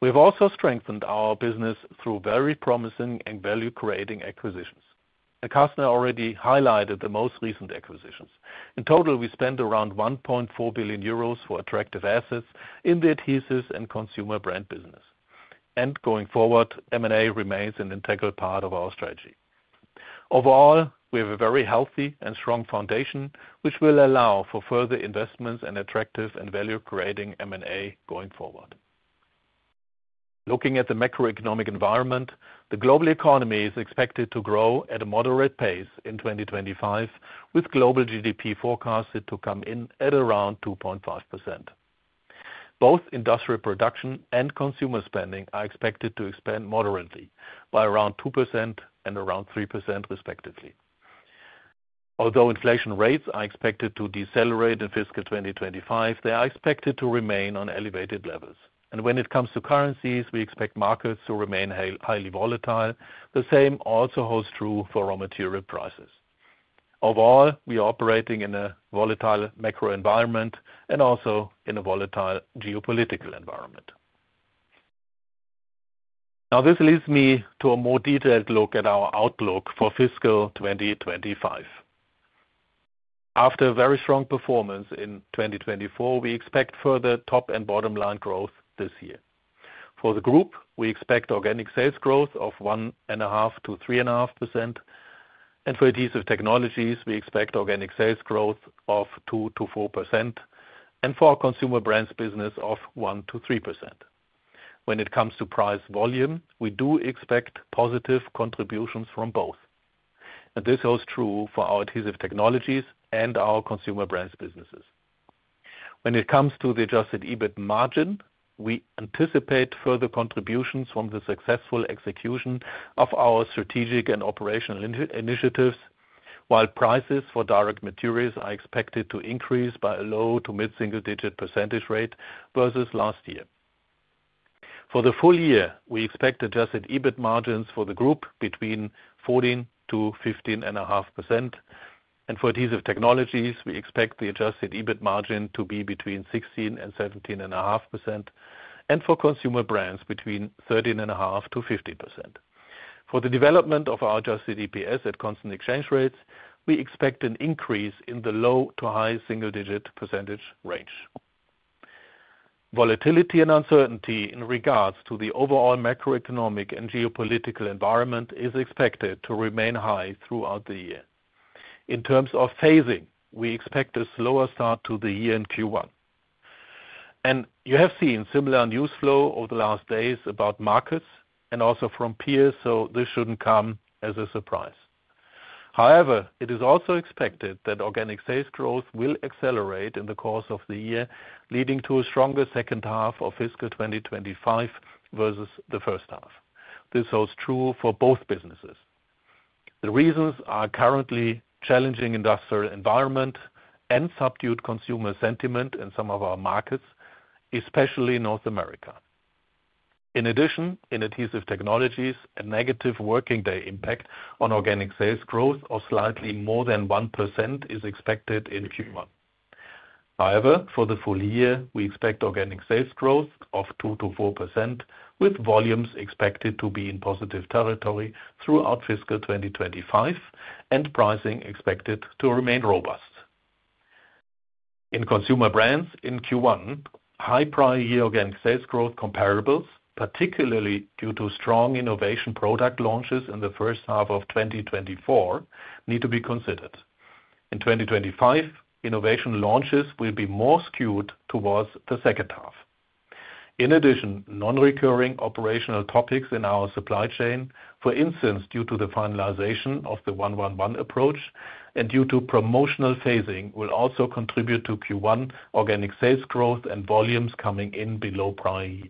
We have also strengthened our business through very promising and value-creating acquisitions. Carsten already highlighted the most recent acquisitions. In total, we spent around 1.4 billion euros for attractive assets in the adhesives and consumer brand business. Going forward, M&A remains an integral part of our strategy. Overall, we have a very healthy and strong foundation, which will allow for further investments and attractive and value-creating M&A going forward. Looking at the macroeconomic environment, the global economy is expected to grow at a moderate pace in 2025, with global GDP forecasted to come in at around 2.5%. Both industrial production and consumer spending are expected to expand moderately by around 2% and around 3% respectively. Although inflation rates are expected to decelerate in fiscal 2025, they are expected to remain on elevated levels. When it comes to currencies, we expect markets to remain highly volatile. The same also holds true for raw material prices. Overall, we are operating in a volatile macro environment and also in a volatile geopolitical environment. This leads me to a more detailed look at our outlook for fiscal 2025. After a very strong performance in 2024, we expect further top and bottom line growth this year. For the group, we expect organic sales growth of 1.5%-3.5%. For adhesive technologies, we expect organic sales growth of 2%-4% and for our consumer brands business of 1%-3%. When it comes to price volume, we do expect positive contributions from both. This holds true for our adhesive technologies and our consumer brands businesses. When it comes to the adjusted EBIT margin, we anticipate further contributions from the successful execution of our strategic and operational initiatives, while prices for direct materials are expected to increase by a low to mid-single-digit percentage rate versus last year. For the full year, we expect adjusted EBIT margins for the group between 14%-15.5%. For adhesive technologies, we expect the adjusted EBIT margin to be between 16%-17.5%, and for consumer brands between 13.5%-15%. For the development of our adjusted EPS at constant exchange rates, we expect an increase in the low to high single-digit percentage range. Volatility and uncertainty in regards to the overall macroeconomic and geopolitical environment is expected to remain high throughout the year. In terms of phasing, we expect a slower start to the year in Q1. You have seen similar news flow over the last days about markets and also from peers, so this should not come as a surprise. However, it is also expected that organic sales growth will accelerate in the course of the year, leading to a stronger second half of fiscal 2025 versus the first half. This holds true for both businesses. The reasons are currently challenging industrial environment and subdued consumer sentiment in some of our markets, especially North America. In addition, in Adhesive Technologies, a negative working day impact on organic sales growth of slightly more than 1% is expected in Q1. However, for the full year, we expect organic sales growth of 2%-4%, with volumes expected to be in positive territory throughout fiscal 2025 and pricing expected to remain robust. In Consumer Brands in Q1, high prior year organic sales growth comparables, particularly due to strong innovation product launches in the first half of 2024, need to be considered. In 2025, innovation launches will be more skewed towards the second half. In addition, non-recurring operational topics in our supply chain, for instance, due to the finalization of the 1-1-1 approach and due to promotional phasing, will also contribute to Q1 organic sales growth and volumes coming in below prior year.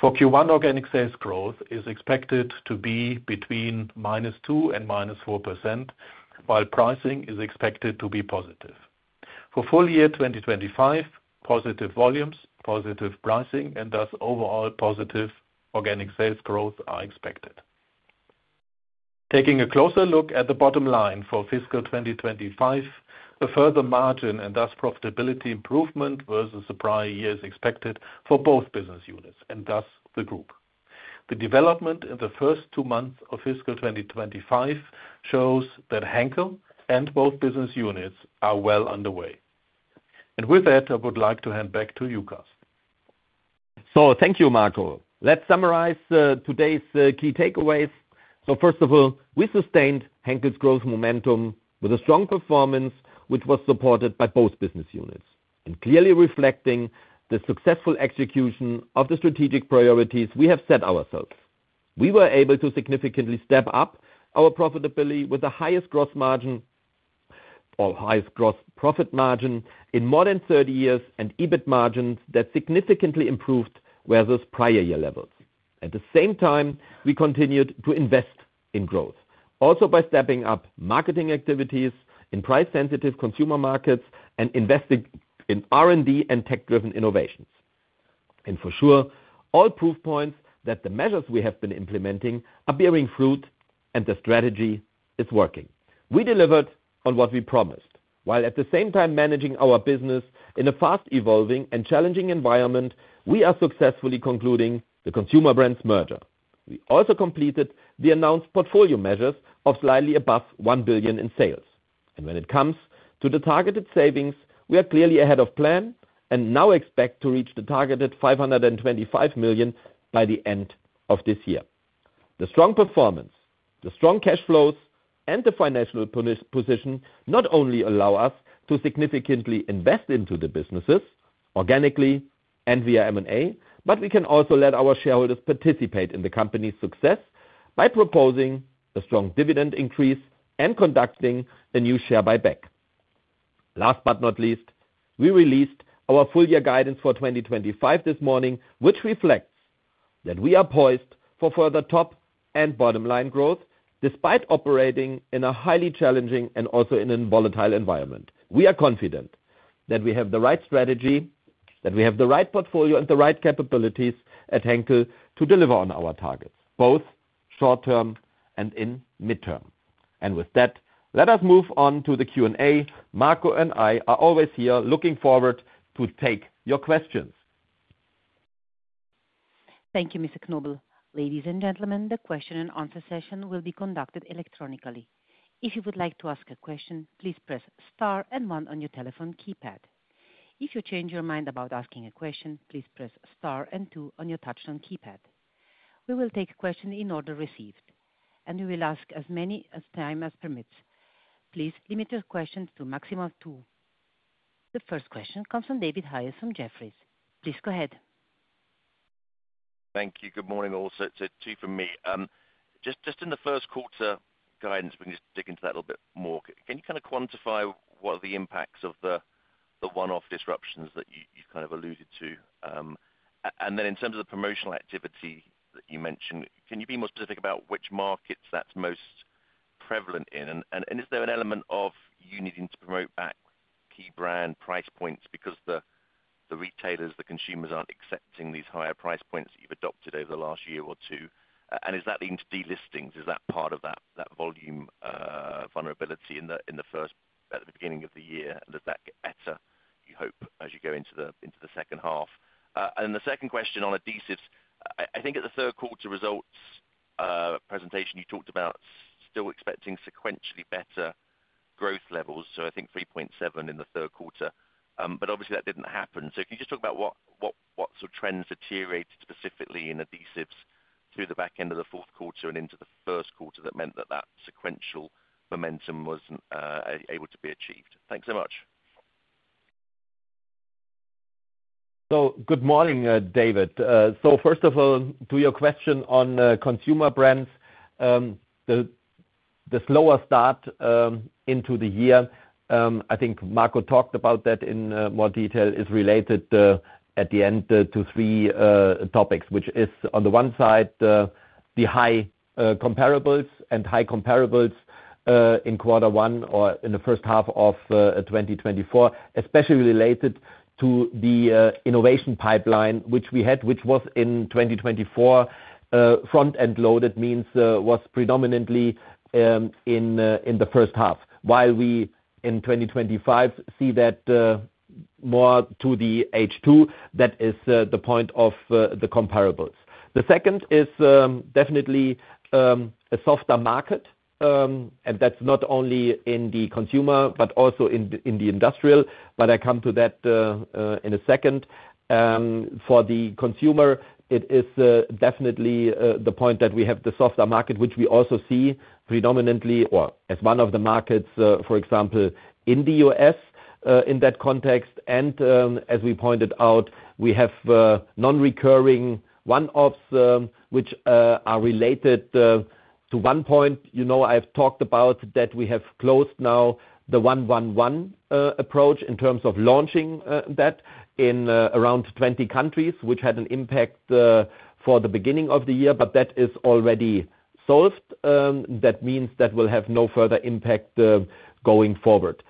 For Q1, organic sales growth is expected to be between -2% and -4%, while pricing is expected to be positive. For full year 2025, positive volumes, positive pricing, and thus overall positive organic sales growth are expected. Taking a closer look at the bottom line for fiscal 2025, a further margin and thus profitability improvement versus the prior year is expected for both business units and thus the group. The development in the first two months of fiscal 2025 shows that Henkel and both business units are well underway. I would like to hand back to you, Carsten. Thank you, Marco. Let's summarize today's key takeaways. First of all, we sustained Henkel's growth momentum with a strong performance, which was supported by both business units and clearly reflecting the successful execution of the strategic priorities we have set ourselves. We were able to significantly step up our profitability with the highest gross margin or highest gross profit margin in more than 30 years and EBIT margins that significantly improved versus prior year levels. At the same time, we continued to invest in growth, also by stepping up marketing activities in price-sensitive consumer markets and investing in R&D and tech-driven innovations. For sure, all proof points that the measures we have been implementing are bearing fruit and the strategy is working. We delivered on what we promised. While at the same time managing our business in a fast-evolving and challenging environment, we are successfully concluding the consumer brands merger. We also completed the announced portfolio measures of slightly above 1 billion in sales. When it comes to the targeted savings, we are clearly ahead of plan and now expect to reach the targeted 525 million by the end of this year. The strong performance, the strong cash flows, and the financial position not only allow us to significantly invest into the businesses organically and via M&A, but we can also let our shareholders participate in the company's success by proposing a strong dividend increase and conducting a new share buyback. Last but not least, we released our full year guidance for 2025 this morning, which reflects that we are poised for further top and bottom line growth despite operating in a highly challenging and also in a volatile environment. We are confident that we have the right strategy, that we have the right portfolio and the right capabilities at Henkel to deliver on our targets, both short term and in mid term. With that, let us move on to the Q&A. Marco and I are always here looking forward to take your questions. Thank you, Mr. Knobel. Ladies and gentlemen, the question and answer session will be conducted electronically. If you would like to ask a question, please press Star and 1 on your telephone keypad. If you change your mind about asking a question, please press Star and 2 on your touch tone keypad. We will take questions in order received, and we will ask as many as time permits. Please limit your questions to a maximum of two. The first question comes from David Hayes from Jefferies. Please go ahead. Thank you. Good morning also. It's a two for me. Just in the first quarter guidance, we can just dig into that a little bit more. Can you kind of quantify what are the impacts of the one-off disruptions that you kind of alluded to? In terms of the promotional activity that you mentioned, can you be more specific about which markets that's most prevalent in? Is there an element of you needing to promote back key brand price points because the retailers, the consumers aren't accepting these higher price points that you've adopted over the last year or two? Is that linked to delistings? Is that part of that volume vulnerability in the first, at the beginning of the year? Does that get better, you hope, as you go into the second half? Then the second question on adhesives, I think at the third quarter results presentation, you talked about still expecting sequentially better growth levels. I think 3.7 in the third quarter, but obviously that did not happen. Can you just talk about what sort of trends deteriorated specifically in adhesives through the back end of the fourth quarter and into the first quarter that meant that that sequential momentum was not able to be achieved? Thanks so much. Good morning, David. First of all, to your question on consumer brands, the slower start into the year, I think Marco talked about that in more detail, is related at the end to three topics, which is on the one side the high comparables and high comparables in quarter one or in the first half of 2024, especially related to the innovation pipeline which we had, which was in 2024, front-end loaded means was predominantly in the first half, while we in 2025 see that more to the H2, that is the point of the comparables. The second is definitely a softer market, and that's not only in the consumer, but also in the industrial. I come to that in a second. For the consumer, it is definitely the point that we have the softer market, which we also see predominantly or as one of the markets, for example, in the U.S. in that context. As we pointed out, we have non-recurring one-offs which are related to one point. I have talked about that we have closed now the 1-1-1 approach in terms of launching that in around 20 countries, which had an impact for the beginning of the year, but that is already solved. That means that will have no further impact going forward.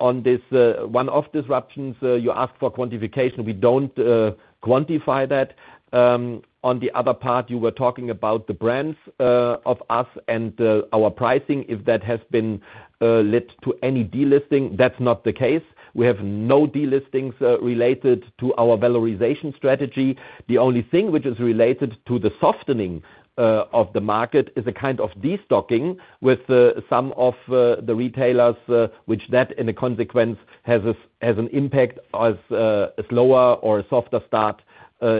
On this one-off disruptions, you asked for quantification. We do not quantify that. On the other part, you were talking about the brands of us and our pricing, if that has been led to any delisting. That is not the case. We have no delistings related to our valorization strategy. The only thing which is related to the softening of the market is a kind of destocking with some of the retailers, which in a consequence has an impact as a slower or a softer start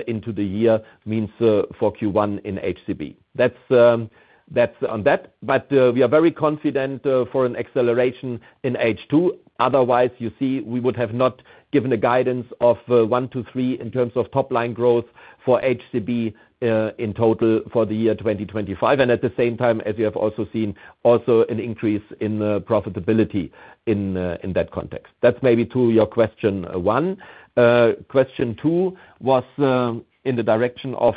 into the year means for Q1 in HCB. That is on that. We are very confident for an acceleration in H2. Otherwise, you see, we would have not given a guidance of one to three in terms of top-line growth for HCB in total for the year 2025. At the same time, as you have also seen, also an increase in profitability in that context. That is maybe to your question one. Question two was in the direction of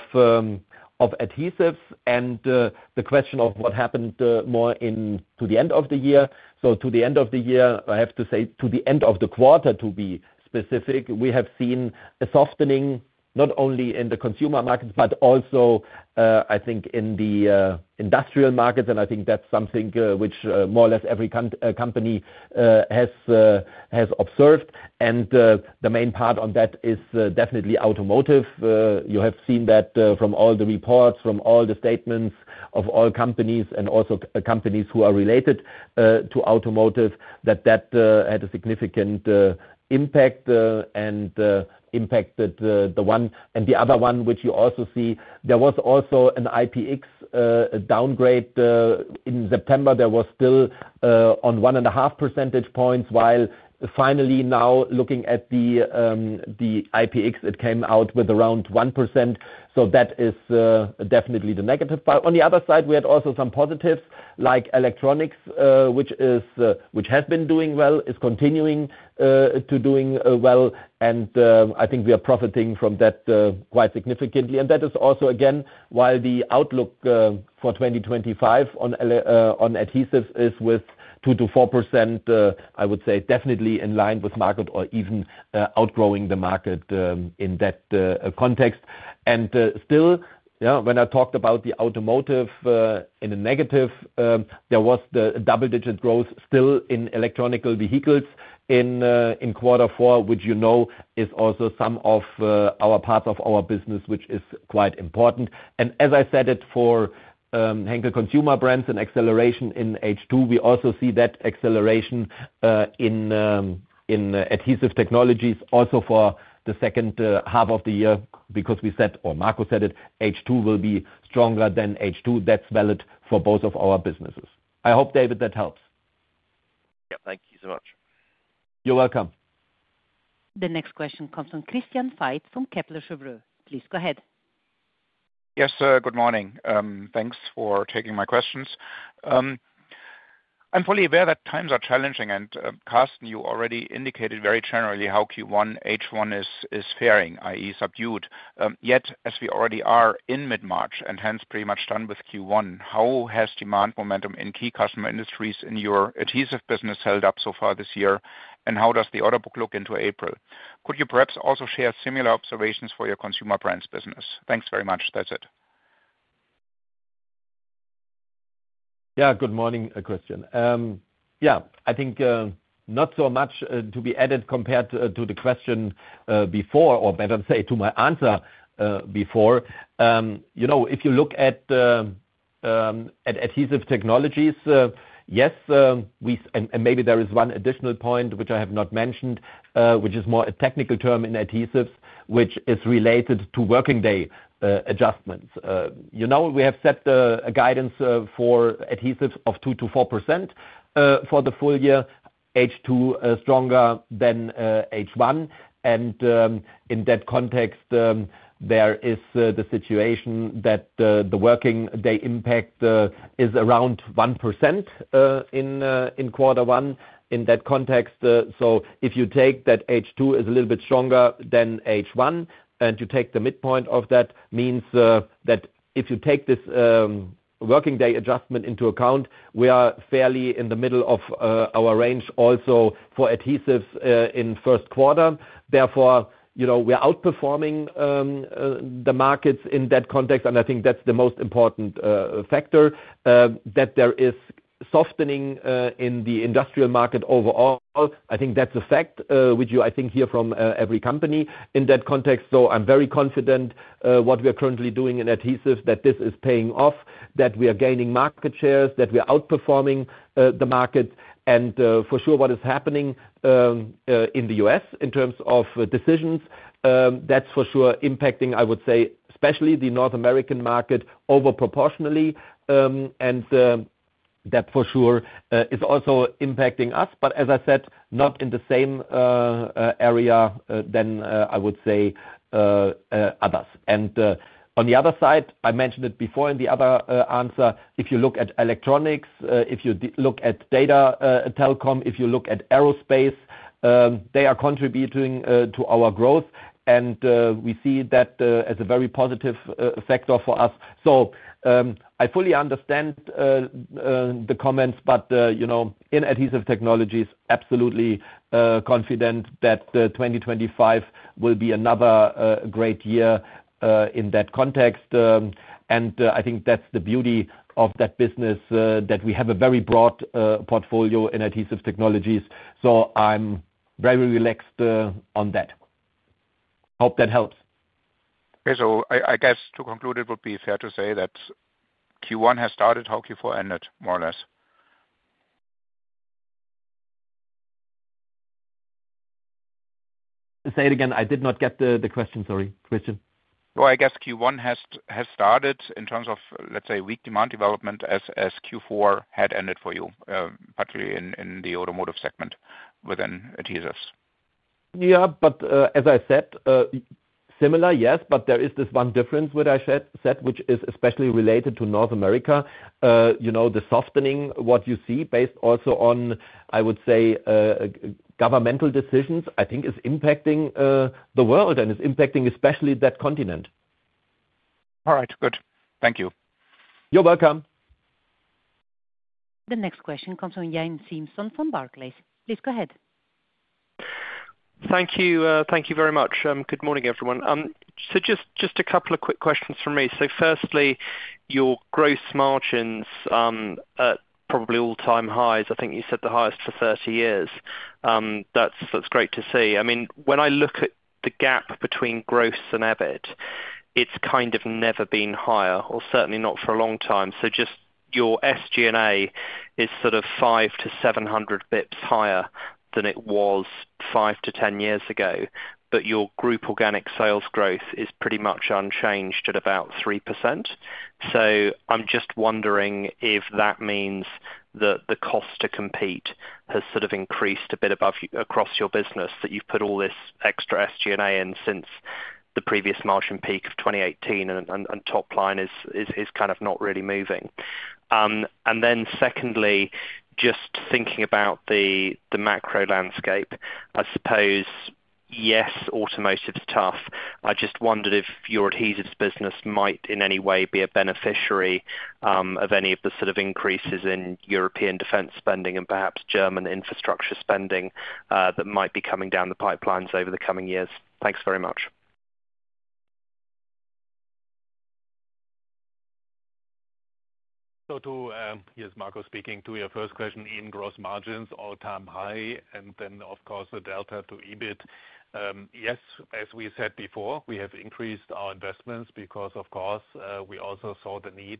adhesives and the question of what happened more to the end of the year. To the end of the year, I have to say to the end of the quarter, to be specific, we have seen a softening not only in the consumer markets, but also, I think, in the industrial markets. I think that's something which more or less every company has observed. The main part on that is definitely automotive. You have seen that from all the reports, from all the statements of all companies and also companies who are related to automotive, that that had a significant impact and impacted the one. The other one, which you also see, there was also an IPX downgrade in September. There was still on one and a half percentage points, while finally now looking at the IPX, it came out with around 1%. That is definitely the negative. On the other side, we had also some positives like electronics, which has been doing well, is continuing to doing well. I think we are profiting from that quite significantly. That is also, again, while the outlook for 2025 on adhesives is with 2%-4%, I would say definitely in line with market or even outgrowing the market in that context. Still, when I talked about the automotive in a negative, there was the double-digit growth still in electronical vehicles in quarter four, which you know is also some of our parts of our business, which is quite important. As I said it for Henkel consumer brands and acceleration in H2, we also see that acceleration in adhesive technologies also for the second half of the year because we said, or Marco said it, H2 will be stronger than H2. That's valid for both of our businesses. I hope, David, that helps. Yep. Thank you so much. You're welcome. The next question comes from Christian Faitz from Kepler Cheuvreux. Please go ahead. Yes, good morning. Thanks for taking my questions. I'm fully aware that times are challenging, and Carsten, you already indicated very generally how Q1 H1 is faring, i.e., subdued. Yet, as we already are in mid-March and hence pretty much done with Q1, how has demand momentum in key customer industries in your adhesive business held up so far this year? And how does the order book look into April? Could you perhaps also share similar observations for your consumer brands business? Thanks very much. That's it. Yeah, good morning, Christian. Yeah, I think not so much to be added compared to the question before, or better to say to my answer before. If you look at adhesive technologies, yes, and maybe there is one additional point which I have not mentioned, which is more a technical term in adhesives, which is related to working day adjustments. We have set a guidance for adhesives of 2%-4% for the full year, H2 stronger than H1. In that context, there is the situation that the working day impact is around 1% in quarter one in that context. If you take that H2 is a little bit stronger than H1, and you take the midpoint of that, it means that if you take this working day adjustment into account, we are fairly in the middle of our range also for adhesives in first quarter. Therefore, we are outperforming the markets in that context. I think that's the most important factor, that there is softening in the industrial market overall. I think that's a fact which you, I think, hear from every company in that context. I am very confident what we are currently doing in adhesives, that this is paying off, that we are gaining market shares, that we are outperforming the market. For sure, what is happening in the U.S. in terms of decisions, that's for sure impacting, I would say, especially the North American market overproportionally. That for sure is also impacting us, but as I said, not in the same area than I would say others. On the other side, I mentioned it before in the other answer, if you look at electronics, if you look at data telecom, if you look at aerospace, they are contributing to our growth. We see that as a very positive factor for us. I fully understand the comments, but in adhesive technologies, absolutely confident that 2025 will be another great year in that context. I think that's the beauty of that business, that we have a very broad portfolio in adhesive technologies. I'm very relaxed on that. Hope that helps. Okay. I guess to conclude, it would be fair to say that Q1 has started, how Q4 ended, more or less. Say it again. I did not get the question. Sorry, Christian. I guess Q1 has started in terms of, let's say, weak demand development as Q4 had ended for you, particularly in the automotive segment within adhesives. Yes, but as I said, similar, yes, but there is this one difference which I said, which is especially related to North America. The softening, what you see based also on, I would say, governmental decisions, I think is impacting the world and is impacting especially that continent. All right. Good. Thank you. You're welcome. The next question comes from Yang Simpson from Barclays. Please go ahead. Thank you. Thank you very much. Good morning, everyone. Just a couple of quick questions for me. Firstly, your gross margins at probably all-time highs. I think you said the highest for 30 years. That's great to see. I mean, when I look at the gap between gross and EBIT, it's kind of never been higher, or certainly not for a long time. Just your SG&A is sort of 5-700 basis points higher than it was 5-10 years ago. Your group organic sales growth is pretty much unchanged at about 3%. I'm just wondering if that means that the cost to compete has sort of increased a bit across your business, that you've put all this extra SG&A in since the previous margin peak of 2018, and top line is kind of not really moving. Secondly, just thinking about the macro landscape, I suppose, yes, automotive is tough. I just wondered if your adhesives business might in any way be a beneficiary of any of the sort of increases in European defense spending and perhaps German infrastructure spending that might be coming down the pipelines over the coming years. Thanks very much. To your first question in gross margins, all-time high, and then, of course, the delta to EBIT. Yes, as we said before, we have increased our investments because, of course, we also saw the need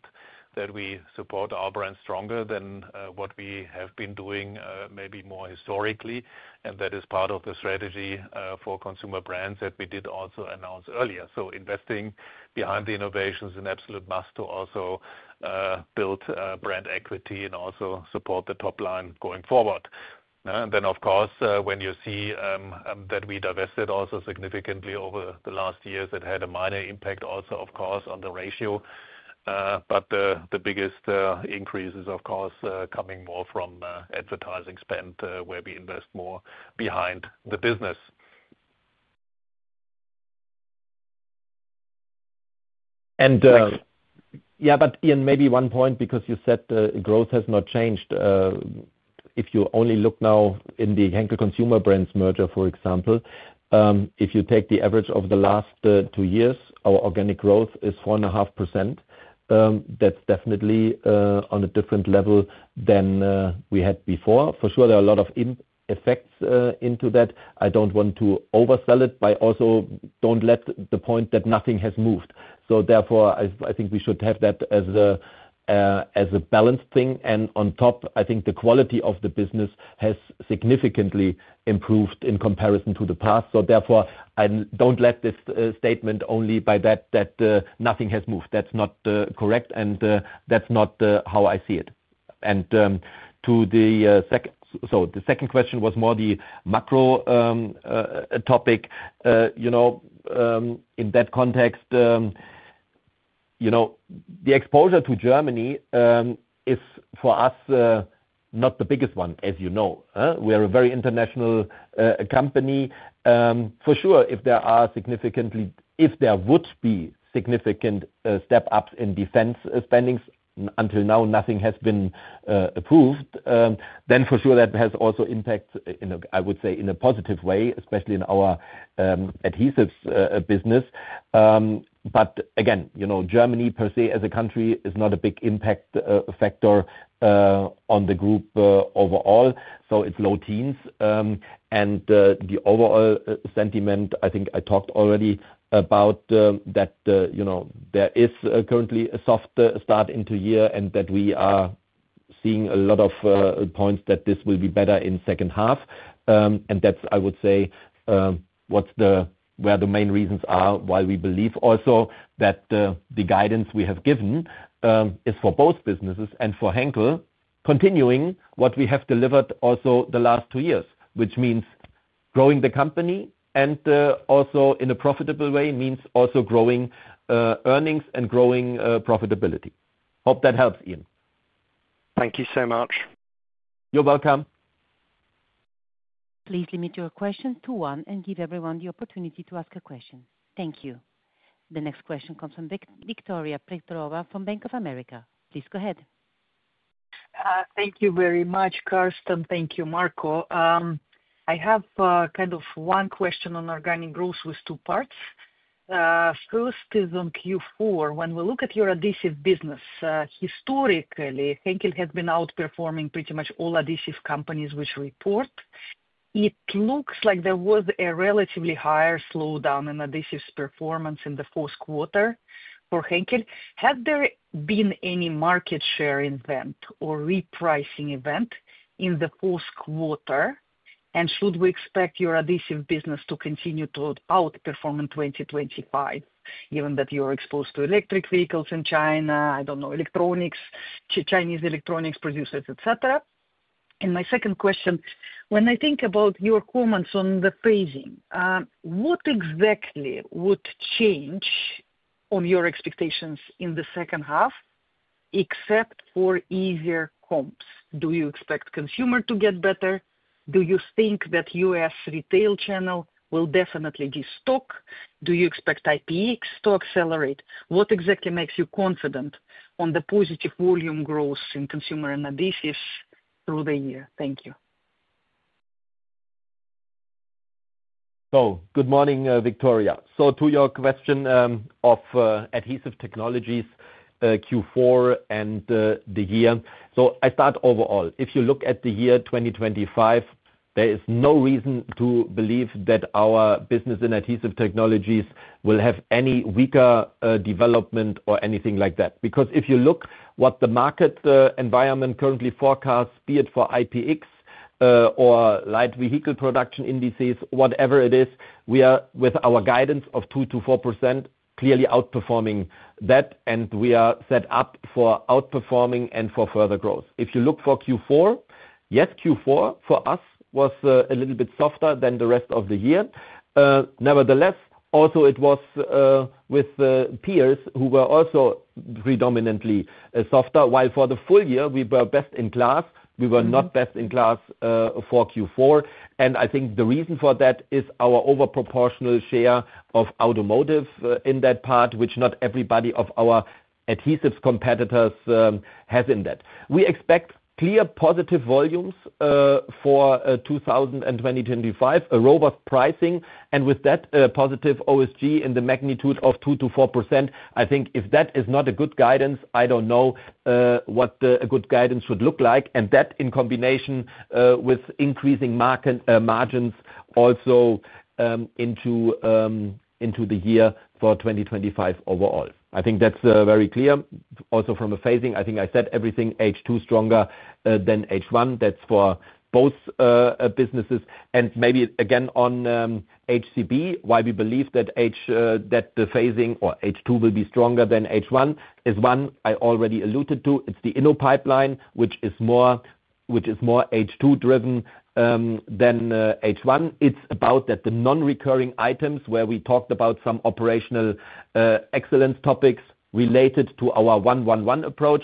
that we support our brand stronger than what we have been doing maybe more historically. That is part of the strategy for consumer brands that we did also announce earlier. Investing behind the innovation is an absolute must to also build brand equity and also support the top line going forward. When you see that we divested also significantly over the last years, it had a minor impact also, of course, on the ratio. The biggest increase is, of course, coming more from advertising spend where we invest more behind the business. Yeah, but Yang, maybe one point because you said the growth has not changed. If you only look now in the Henkel Consumer Brands merger, for example, if you take the average of the last two years, our organic growth is 4.5%. That's definitely on a different level than we had before. For sure, there are a lot of effects into that. I don't want to oversell it, but I also don't let the point that nothing has moved. I think we should have that as a balanced thing. I think the quality of the business has significantly improved in comparison to the past. I don't let this statement only by that that nothing has moved. That's not correct, and that's not how I see it. The second question was more the macro topic. In that context, the exposure to Germany is for us not the biggest one, as you know. We are a very international company. For sure, if there are significantly, if there would be significant step-ups in defense spendings, until now, nothing has been approved, then for sure that has also impact, I would say, in a positive way, especially in our adhesives business. Again, Germany per se as a country is not a big impact factor on the group overall. It is low teens. The overall sentiment, I think I talked already about that there is currently a soft start into year and that we are seeing a lot of points that this will be better in second half. That is, I would say, where the main reasons are why we believe also that the guidance we have given is for both businesses and for Henkel continuing what we have delivered also the last two years, which means growing the company and also in a profitable way means also growing earnings and growing profitability. Hope that helps, Yang. Thank you so much. You're welcome. Please limit your question to one and give everyone the opportunity to ask a question. Thank you. The next question comes from Victoria Petrova from Bank of America. Please go ahead. Thank you very much, Carsten. Thank you, Marco. I have kind of one question on organic growth with two parts. First is on Q4. When we look at your adhesive business, historically, Henkel has been outperforming pretty much all adhesive companies which report. It looks like there was a relatively higher slowdown in adhesives performance in the fourth quarter for Henkel. Had there been any market share event or repricing event in the fourth quarter? Should we expect your adhesive business to continue to outperform in 2025, given that you are exposed to electric vehicles in China, I do not know, electronics, Chinese electronics producers, etc.? My second question, when I think about your comments on the phasing, what exactly would change on your expectations in the second half except for easier comps? Do you expect consumer to get better? Do you think that US retail channel will definitely destock? Do you expect IPX to accelerate? What exactly makes you confident on the positive volume growth in consumer and adhesives through the year? Thank you. Good morning, Victoria. To your question of Adhesive Technologies Q4 and the year, I start overall. If you look at the year 2025, there is no reason to believe that our business in Adhesive Technologies will have any weaker development or anything like that. Because if you look at what the market environment currently forecasts, be it for IPX or light vehicle production indices, whatever it is, we are with our guidance of 2%-4%, clearly outperforming that, and we are set up for outperforming and for further growth. If you look for Q4, yes, Q4 for us was a little bit softer than the rest of the year. Nevertheless, also it was with peers who were also predominantly softer, while for the full year, we were best in class. We were not best in class for Q4. I think the reason for that is our overproportional share of automotive in that part, which not everybody of our adhesives competitors has in that. We expect clear positive volumes for 2025, a robust pricing, and with that positive OSG in the magnitude of 2%-4%. I think if that is not a good guidance, I do not know what a good guidance should look like. That in combination with increasing margins also into the year for 2025 overall. I think that is very clear. Also from a phasing, I think I said everything H2 stronger than H1. That is for both businesses. Maybe again on HCB, why we believe that the phasing or H2 will be stronger than H1 is one I already alluded to. It is the InnoPipeline, which is more H2-driven than H1. It's about the non-recurring items where we talked about some operational excellence topics related to our 1-1-1 approach.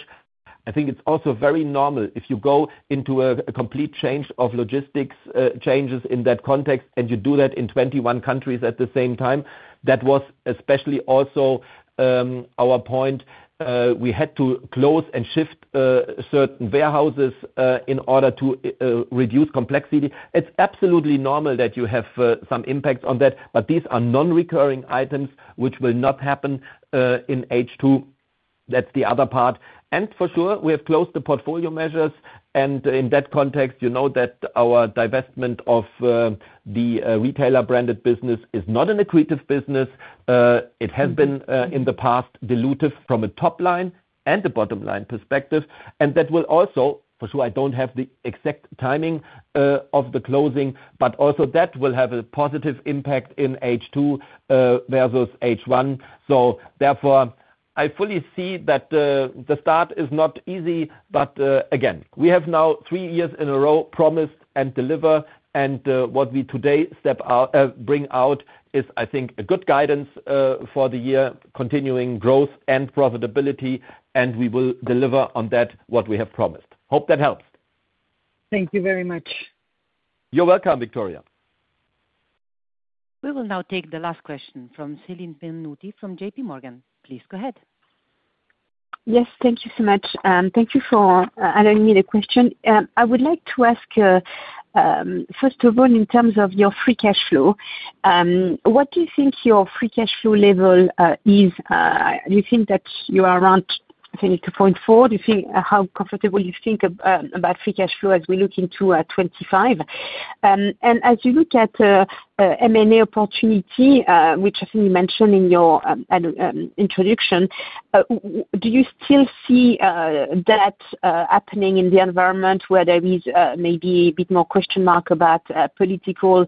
I think it's also very normal if you go into a complete change of logistics changes in that context and you do that in 21 countries at the same time. That was especially also our point. We had to close and shift certain warehouses in order to reduce complexity. It's absolutely normal that you have some impacts on that, but these are non-recurring items which will not happen in H2. That's the other part. For sure, we have closed the portfolio measures. In that context, you know that our divestment of the retailer-branded business is not an accretive business. It has been in the past dilutive from a top line and a bottom line perspective. That will also, for sure, I don't have the exact timing of the closing, but also that will have a positive impact in H2 versus H1. Therefore, I fully see that the start is not easy, but again, we have now three years in a row promised and delivered. What we today bring out is, I think, a good guidance for the year, continuing growth and profitability, and we will deliver on that what we have promised. Hope that helps. Thank you very much. You're welcome, Victoria. We will now take the last question from Celine Pannuti from JPMorgan Chase & Co. Please go ahead. Yes, thank you so much. Thank you for allowing me the question. I would like to ask, first of all, in terms of your free cash flow, what do you think your free cash flow level is? Do you think that you are around, I think, 2.4? Do you think how comfortable do you think about free cash flow as we look into 2025? As you look at M&A opportunity, which I think you mentioned in your introduction, do you still see that happening in the environment where there is maybe a bit more question mark about political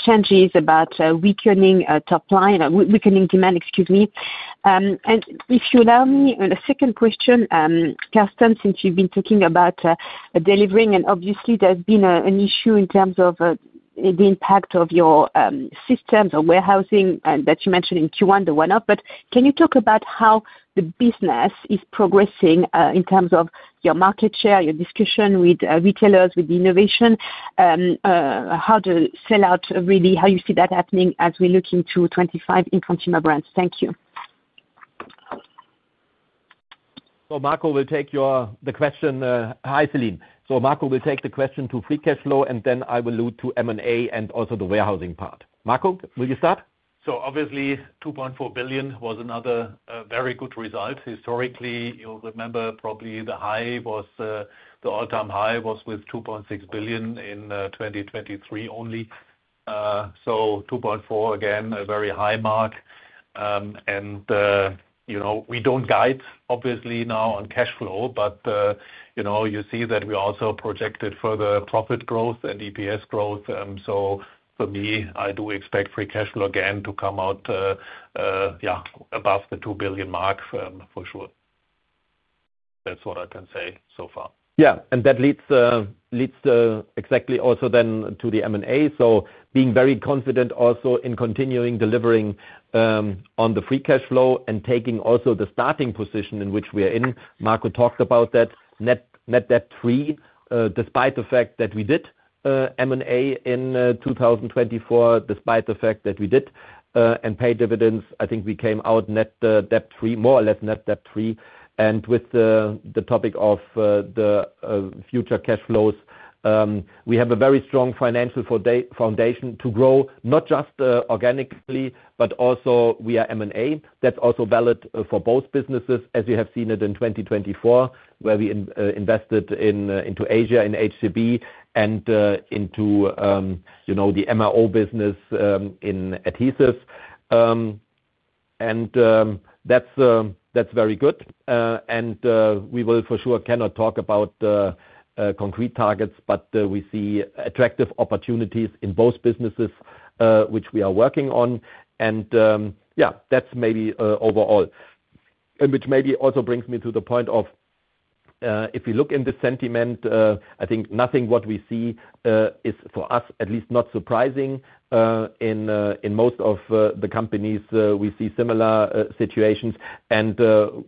changes, about weakening demand, excuse me? If you allow me, the second question, Carsten, since you've been talking about delivering, and obviously, there's been an issue in terms of the impact of your systems or warehousing that you mentioned in Q1, the one-off. Can you talk about how the business is progressing in terms of your market share, your discussion with retailers, with the innovation, how to sell out really, how you see that happening as we look into 2025 in consumer brands? Thank you. Marco will take your question. Hi, Celine. Marco will take the question to free cash flow, and then I will look to M&A and also the warehousing part. Marco, will you start? Obviously, 2.4 billion was another very good result. Historically, you'll remember probably the high was the all-time high was with 2.6 billion in 2023 only. 2.4 billion, again, a very high mark. We do not guide, obviously, now on cash flow, but you see that we also projected further profit growth and EPS growth. For me, I do expect free cash flow again to come out, yeah, above the 2 billion mark for sure. That's what I can say so far. Yeah. That leads exactly also then to the M&A. Being very confident also in continuing delivering on the free cash flow and taking also the starting position in which we are in. Marco talked about that, net debt free, despite the fact that we did M&A in 2024, despite the fact that we did and paid dividends. I think we came out net debt free, more or less net debt free. With the topic of the future cash flows, we have a very strong financial foundation to grow not just organically, but also we are M&A. That's also valid for both businesses, as you have seen it in 2024, where we invested into Asia in HCB and into the MRO business in adhesives. That's very good. We will for sure cannot talk about concrete targets, but we see attractive opportunities in both businesses, which we are working on. Yeah, that's maybe overall. Which maybe also brings me to the point of if we look in the sentiment, I think nothing what we see is for us, at least not surprising in most of the companies. We see similar situations.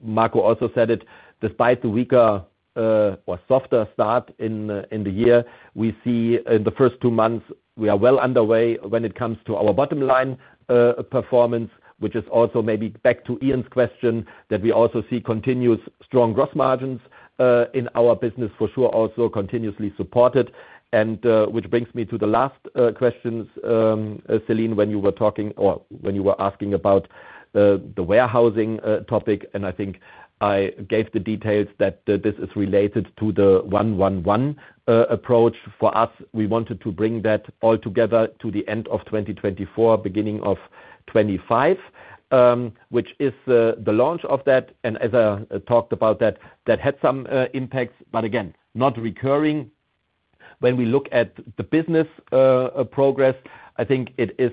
Marco also said it, despite the weaker or softer start in the year, we see in the first two months, we are well underway when it comes to our bottom line performance, which is also maybe back to Yang question that we also see continuous strong gross margins in our business, for sure, also continuously supported. Which brings me to the last questions, Celine, when you were talking or when you were asking about the warehousing topic. I think I gave the details that this is related to the 1-1-1 approach for us. We wanted to bring that all together to the end of 2024, beginning of 2025, which is the launch of that. As I talked about that, that had some impacts, but again, not recurring. When we look at the business progress, I think it is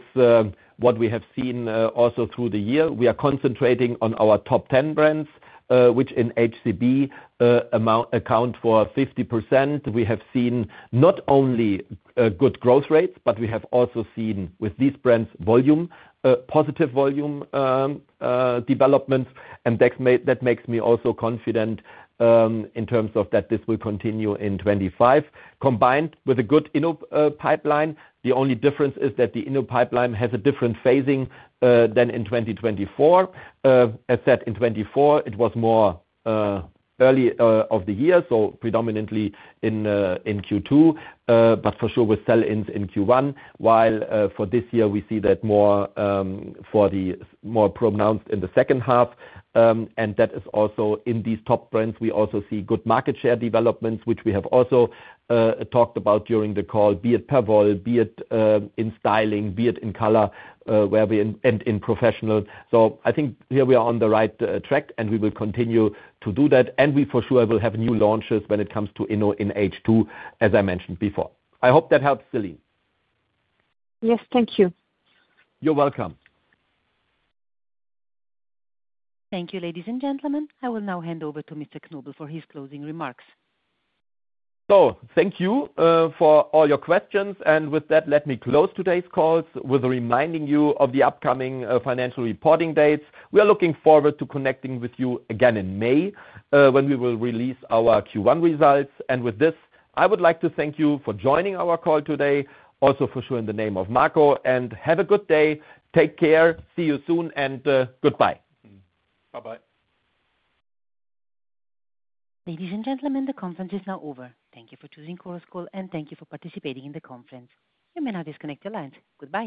what we have seen also through the year. We are concentrating on our top 10 brands, which in HCB account for 50%. We have seen not only good growth rates, but we have also seen with these brands positive volume developments. That makes me also confident in terms of that this will continue in 2025, combined with a good InnoPipeline. The only difference is that the InnoPipeline has a different phasing than in 2024. As said, in 2024, it was more early of the year, so predominantly in Q2, but for sure with sell-ins in Q1, while for this year, we see that more pronounced in the second half. That is also in these top brands, we also see good market share developments, which we have also talked about during the call, be it Pavol, be it in styling, be it in color, and in professional. I think here we are on the right track, and we will continue to do that. We for sure will have new launches when it comes to Inno in H2, as I mentioned before. I hope that helps, Celine. Yes, thank you. You're welcome. Thank you, ladies and gentlemen. I will now hand over to Mr. Knobel for his closing remarks. Thank you for all your questions. With that, let me close today's calls with reminding you of the upcoming financial reporting dates. We are looking forward to connecting with you again in May when we will release our Q1 results. With this, I would like to thank you for joining our call today, also for sure in the name of Marco. Have a good day. Take care. See you soon. Goodbye. Bye-bye. Ladies and gentlemen, the conference is now over. Thank you for choosing Coroscoal, and thank you for participating in the conference. You may now disconnect your lines. Goodbye.